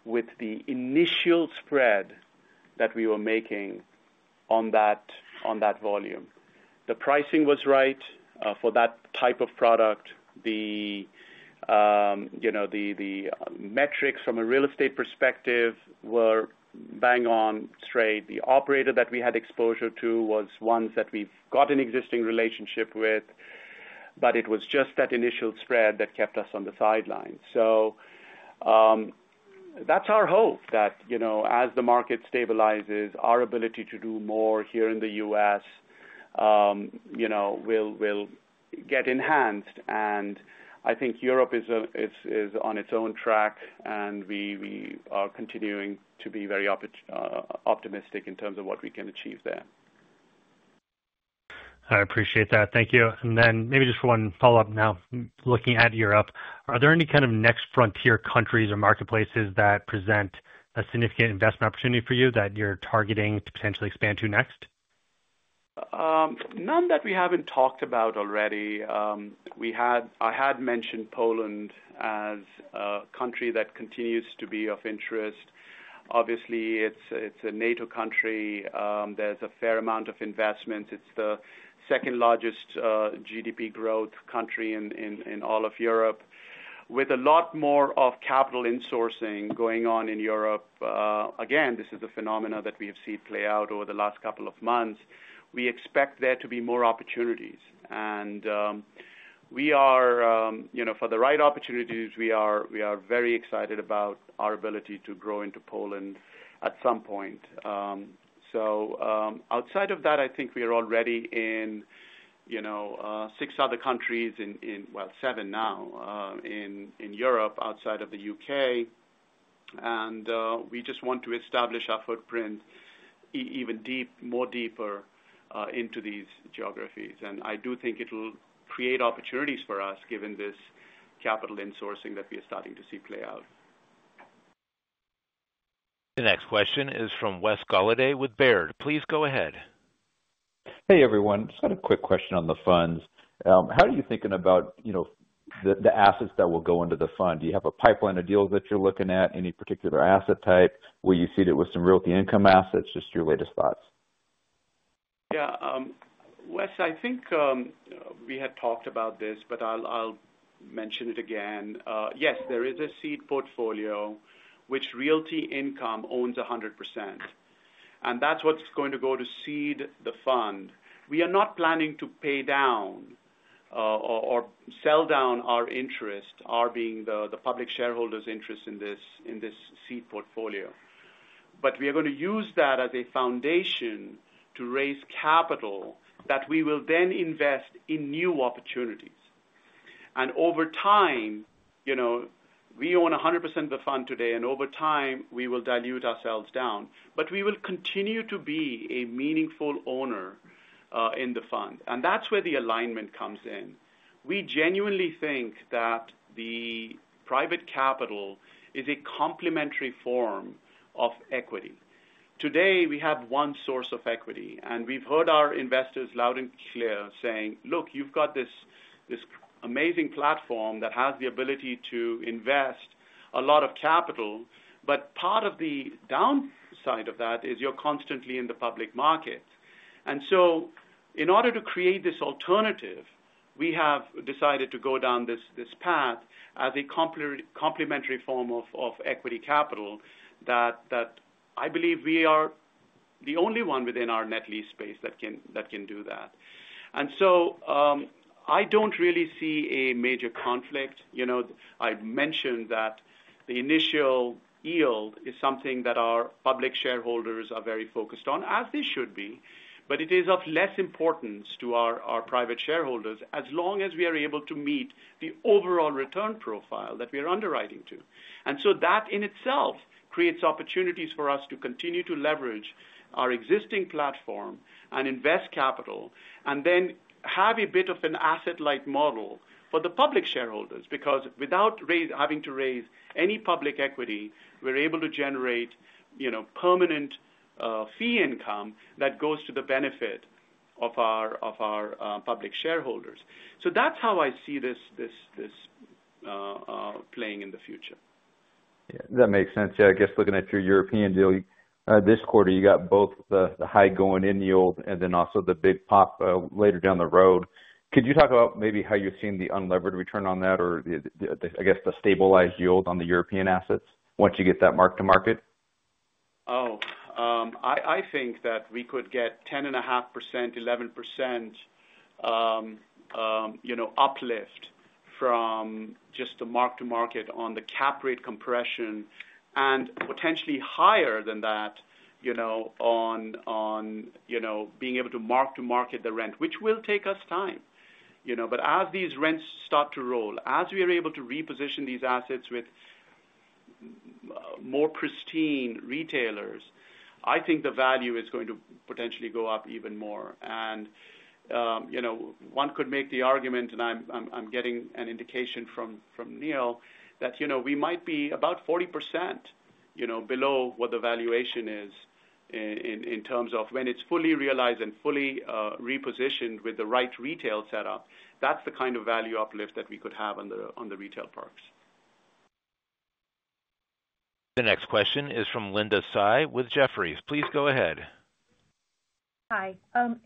with the initial spread that we were making on that volume. The pricing was right for that type of product. The metrics from a real estate perspective were bang on straight. The operator that we had exposure to was ones that we've got an existing relationship with, but it was just that initial spread that kept us on the sidelines. That is our hope that as the market stabilizes, our ability to do more here in the U.S. will get enhanced. I think Europe is on its own track, and we are continuing to be very optimistic in terms of what we can achieve there. I appreciate that. Thank you. Maybe just for one follow-up now, looking at Europe, are there any kind of next frontier countries or marketplaces that present a significant investment opportunity for you that you're targeting to potentially expand to next? None that we haven't talked about already. I had mentioned Poland as a country that continues to be of interest. Obviously, it's a NATO country. There's a fair amount of investments. It's the second largest GDP growth country in all of Europe. With a lot more of capital insourcing going on in Europe, again, this is a phenomenon that we have seen play out over the last couple of months. We expect there to be more opportunities. For the right opportunities, we are very excited about our ability to grow into Poland at some point. Outside of that, I think we are already in six other countries, well, seven now in Europe outside of the U.K. We just want to establish our footprint even more deeper into these geographies. I do think it will create opportunities for us given this capital insourcing that we are starting to see play out. The next question is from Wes Golladay with Baird. Please go ahead. Hey, everyone. Just got a quick question on the funds. How are you thinking about the assets that will go into the fund? Do you have a pipeline of deals that you're looking at, any particular asset type? Will you seed it with some Realty Income assets? Just your latest thoughts. Yeah. Wes, I think we had talked about this, but I'll mention it again. Yes, there is a seed portfolio, which Realty Income owns 100%. That's what's going to go to seed the fund. We are not planning to pay down or sell down our interest, our being the public shareholders' interest in this seed portfolio. We are going to use that as a foundation to raise capital that we will then invest in new opportunities. Over time, we own 100% of the fund today, and over time, we will dilute ourselves down. We will continue to be a meaningful owner in the fund. That's where the alignment comes in. We genuinely think that the private capital is a complementary form of equity. Today, we have one source of equity. We have heard our investors loud and clear saying, "Look, you've got this amazing platform that has the ability to invest a lot of capital." Part of the downside of that is you're constantly in the public markets. In order to create this alternative, we have decided to go down this path as a complementary form of equity capital that I believe we are the only one within our net lease space that can do that. I do not really see a major conflict. I mentioned that the initial yield is something that our public shareholders are very focused on, as they should be. It is of less importance to our private shareholders as long as we are able to meet the overall return profile that we are underwriting to. That in itself creates opportunities for us to continue to leverage our existing platform and invest capital and then have a bit of an asset-like model for the public shareholders. Because without having to raise any public equity, we're able to generate permanent fee income that goes to the benefit of our public shareholders. That's how I see this playing in the future. Yeah. That makes sense. Yeah. I guess looking at your European deal this quarter, you got both the high going-in yield and then also the big pop later down the road. Could you talk about maybe how you're seeing the unlevered return on that or, I guess, the stabilized yield on the European assets once you get that mark-to-market? Oh. I think that we could get 10.5%-11% uplift from just the mark-to-market on the cap rate compression and potentially higher than that on being able to mark-to-market the rent, which will take us time. As these rents start to roll, as we are able to reposition these assets with more pristine retailers, I think the value is going to potentially go up even more. One could make the argument, and I'm getting an indication from Neil, that we might be about 40% below what the valuation is in terms of when it's fully realized and fully repositioned with the right retail setup. That's the kind of value uplift that we could have on the retail parks. The next question is from Linda Tsai with Jefferies. Please go ahead. Hi.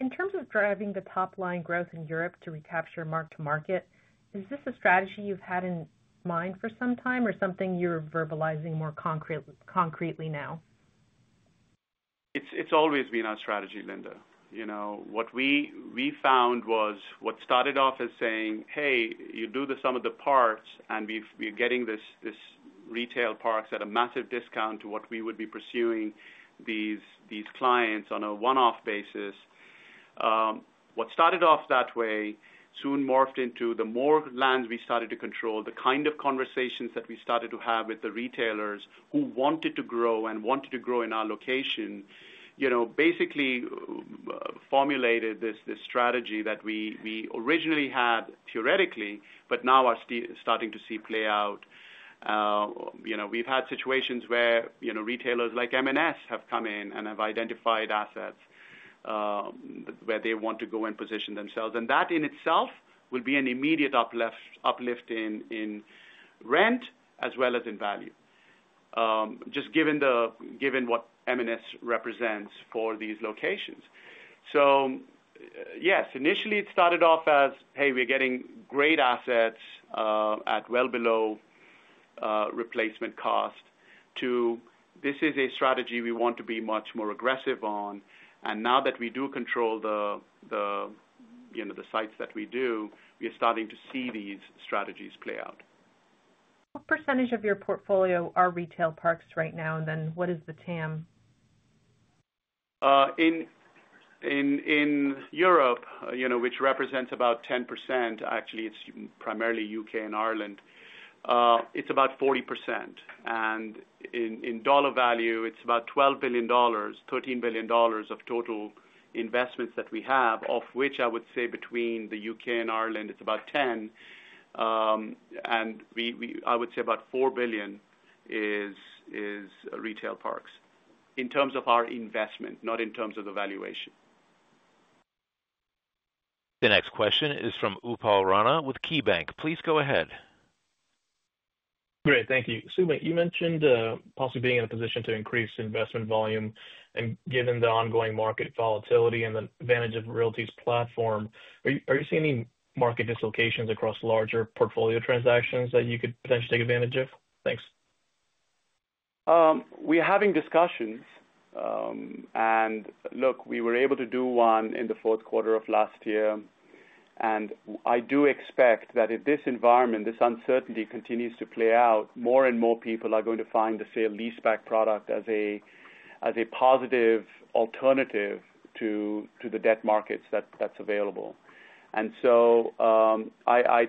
In terms of driving the top-line growth in Europe to recapture mark-to-market, is this a strategy you've had in mind for some time or something you're verbalizing more concretely now? It's always been our strategy, Linda. What we found was what started off as saying, "Hey, you do the sum of the parts, and we're getting this retail parks at a massive discount to what we would be pursuing these clients on a one-off basis." What started off that way soon morphed into the more lands we started to control, the kind of conversations that we started to have with the retailers who wanted to grow and wanted to grow in our location, basically formulated this strategy that we originally had theoretically, but now are starting to see play out. We've had situations where retailers like M&S have come in and have identified assets where they want to go and position themselves. That in itself will be an immediate uplift in rent as well as in value, just given what M&S represents for these locations. Yes, initially, it started off as, "Hey, we're getting great assets at well below replacement cost," to, "This is a strategy we want to be much more aggressive on." Now that we do control the sites that we do, we are starting to see these strategies play out. What percentage of your portfolio are retail parks right now? What is the TAM? In Europe, which represents about 10%, actually, it is primarily U.K. and Ireland, it is about 40%. In dollar value, it is about $12 billion-$13 billion of total investments that we have, of which I would say between the U.K. and Ireland, it is about 10. I would say about $4 billion is retail parks in terms of our investment, not in terms of the valuation. The next question is from Upal Rana with KeyBank. Please go ahead. Great. Thank you. Sumit, you mentioned possibly being in a position to increase investment volume. Given the ongoing market volatility and the advantage of Realty's platform, are you seeing any market dislocations across larger portfolio transactions that you could potentially take advantage of? Thanks. We're having discussions. Look, we were able to do one in the fourth quarter of last year. I do expect that if this environment, this uncertainty continues to play out, more and more people are going to find the sale-leaseback product as a positive alternative to the debt markets that's available. I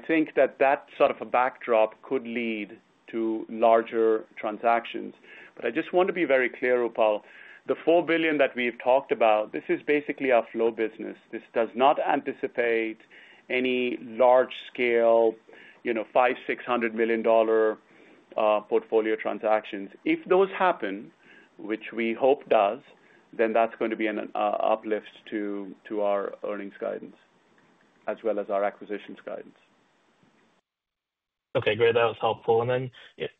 think that that sort of a backdrop could lead to larger transactions. I just want to be very clear, Upal. The $4 billion that we've talked about, this is basically our flow business. This does not anticipate any large-scale $500 million-$600 million portfolio transactions. If those happen, which we hope does, then that's going to be an uplift to our earnings guidance as well as our acquisitions guidance. Okay. Great. That was helpful.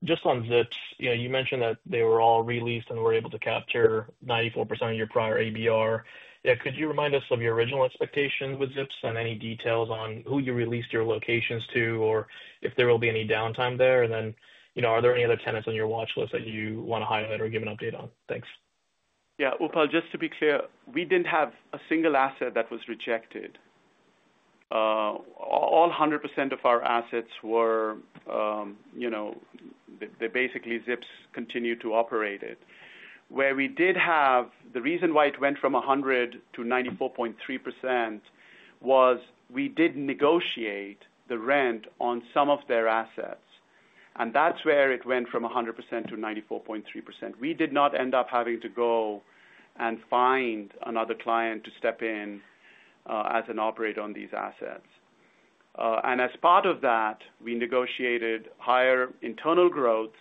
Just on Zips, you mentioned that they were all released and were able to capture 94% of your prior ABR. Yeah. Could you remind us of your original expectation with Zips and any details on who you released your locations to or if there will be any downtime there? Are there any other tenants on your watch list that you want to highlight or give an update on? Thanks. Yeah. Upal, just to be clear, we didn't have a single asset that was rejected. All 100% of our assets were, they basically Zips continued to operate it. Where we did have the reason why it went from 100%-94.3% was we did negotiate the rent on some of their assets. That's where it went from 100%-94.3%. We did not end up having to go and find another client to step in as an operator on these assets. As part of that, we negotiated higher internal growth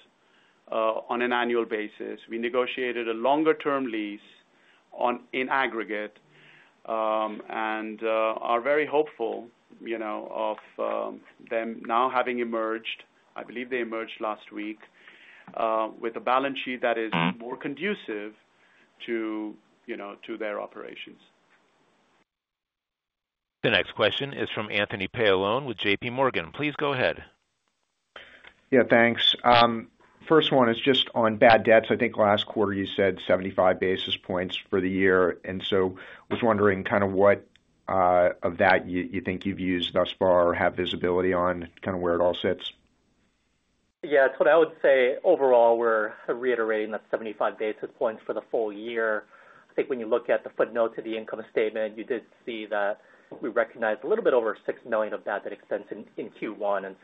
on an annual basis. We negotiated a longer-term lease in aggregate. We are very hopeful of them now having emerged. I believe they emerged last week with a balance sheet that is more conducive to their operations. The next question is from Anthony Paolone with JPMorgan. Please go ahead. Yeah. Thanks. First one is just on bad debts. I think last quarter you said 75 basis points for the year. I was wondering kind of what of that you think you've used thus far or have visibility on kind of where it all sits. Yeah. I would say overall, we're reiterating that 75 basis points for the full year. I think when you look at the footnote to the income statement, you did see that we recognized a little bit over $6 million of bad debt expense in Q1.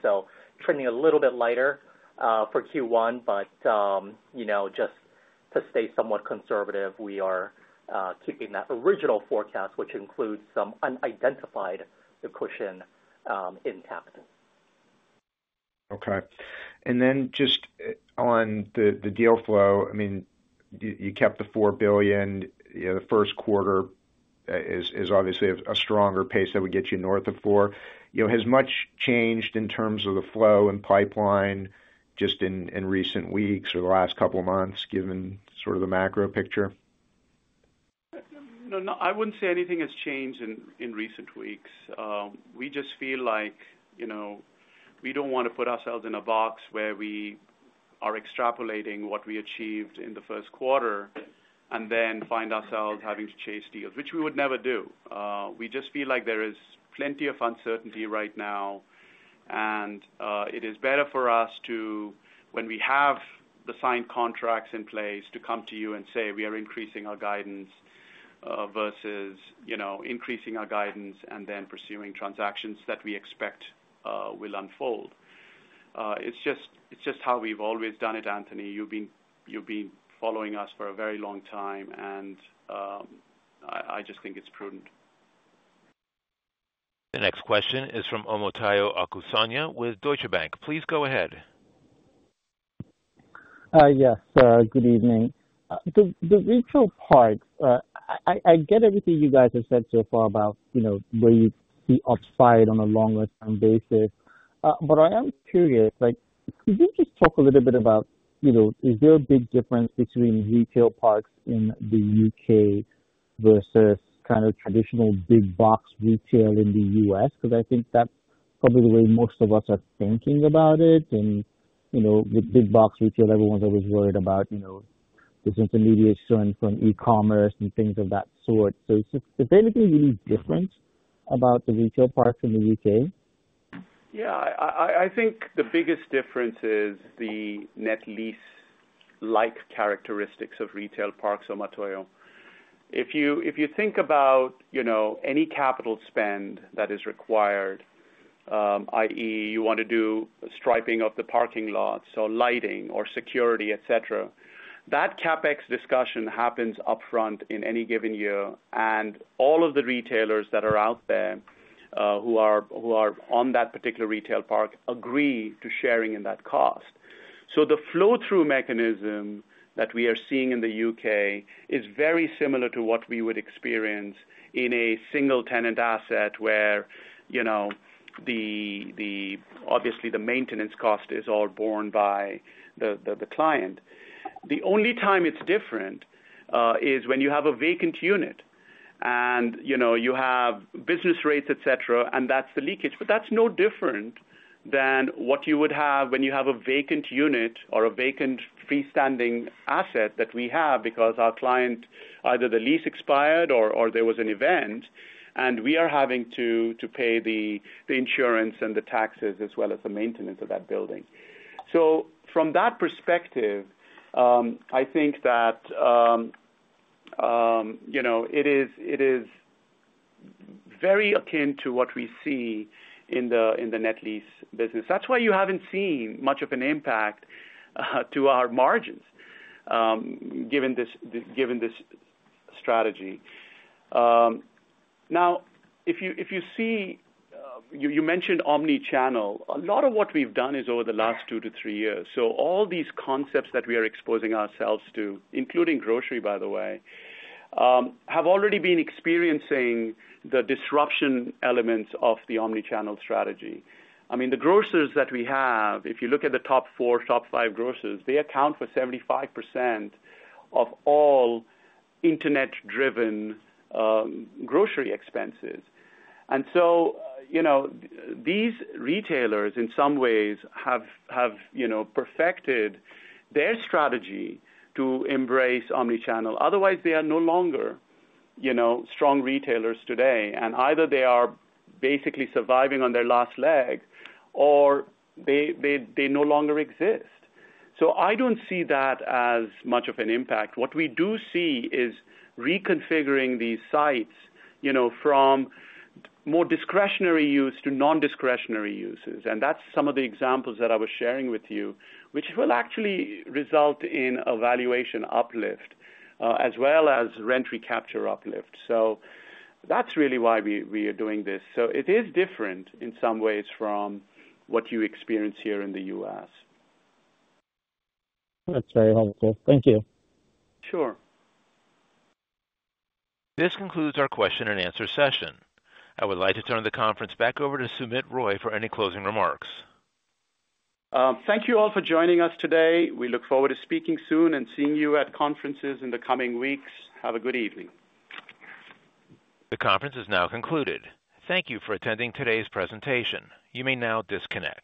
Trending a little bit lighter for Q1. Just to stay somewhat conservative, we are keeping that original forecast, which includes some unidentified accretion in capital. Okay. And then just on the deal flow, I mean, you kept the $4 billion. The first quarter is obviously a stronger pace that would get you north of $4 billion. Has much changed in terms of the flow and pipeline just in recent weeks or the last couple of months given sort of the macro picture? No, I would not say anything has changed in recent weeks. We just feel like we do not want to put ourselves in a box where we are extrapolating what we achieved in the first quarter and then find ourselves having to chase deals, which we would never do. We just feel like there is plenty of uncertainty right now. It is better for us to, when we have the signed contracts in place, come to you and say, "We are increasing our guidance," versus, "Increasing our guidance and then pursuing transactions that we expect will unfold." It is just how we have always done it, Anthony. You have been following us for a very long time. I just think it is prudent. The next question is from Omotayo Okusanya with Deutsche Bank. Please go ahead. Yes. Good evening. The retail parks, I get everything you guys have said so far about where you see upside on a longer-term basis. I am curious, could you just talk a little bit about is there a big difference between retail parks in the U.K. versus kind of traditional big box retail in the U.S.? I think that's probably the way most of us are thinking about it. With big box retail, everyone's always worried about this intermediate strand from e-commerce and things of that sort. Is there anything really different about the retail parks in the U.K.? Yeah. I think the biggest difference is the net lease-like characteristics of retail parks, Omotayo. If you think about any capital spend that is required, i.e., you want to do striping of the parking lots or lighting or security, etc., that CapEx discussion happens upfront in any given year. All of the retailers that are out there who are on that particular retail park agree to sharing in that cost. The flow-through mechanism that we are seeing in the U.K. is very similar to what we would experience in a single-tenant asset where obviously the maintenance cost is all borne by the client. The only time it is different is when you have a vacant unit and you have business rates, etc., and that is the leakage. That is no different than what you would have when you have a vacant unit or a vacant freestanding asset that we have because our client, either the lease expired or there was an event, and we are having to pay the insurance and the taxes as well as the maintenance of that building. From that perspective, I think that it is very akin to what we see in the net lease business. That is why you have not seen much of an impact to our margins given this strategy. Now, you mentioned omnichannel. A lot of what we have done is over the last two to three years. All these concepts that we are exposing ourselves to, including grocery, by the way, have already been experiencing the disruption elements of the omnichannel strategy. I mean, the grocers that we have, if you look at the top four, top five grocers, they account for 75% of all internet-driven grocery expenses. These retailers, in some ways, have perfected their strategy to embrace omnichannel. Otherwise, they are no longer strong retailers today. Either they are basically surviving on their last leg or they no longer exist. I do not see that as much of an impact. What we do see is reconfiguring these sites from more discretionary use to non-discretionary uses. That is some of the examples that I was sharing with you, which will actually result in a valuation uplift as well as rent recapture uplift. That is really why we are doing this. It is different in some ways from what you experience here in the U.S. That's very helpful. Thank you. Sure. This concludes our question-and-answer session. I would like to turn the conference back over to Sumit Roy for any closing remarks. Thank you all for joining us today. We look forward to speaking soon and seeing you at conferences in the coming weeks. Have a good evening. The conference is now concluded. Thank you for attending today's presentation. You may now disconnect.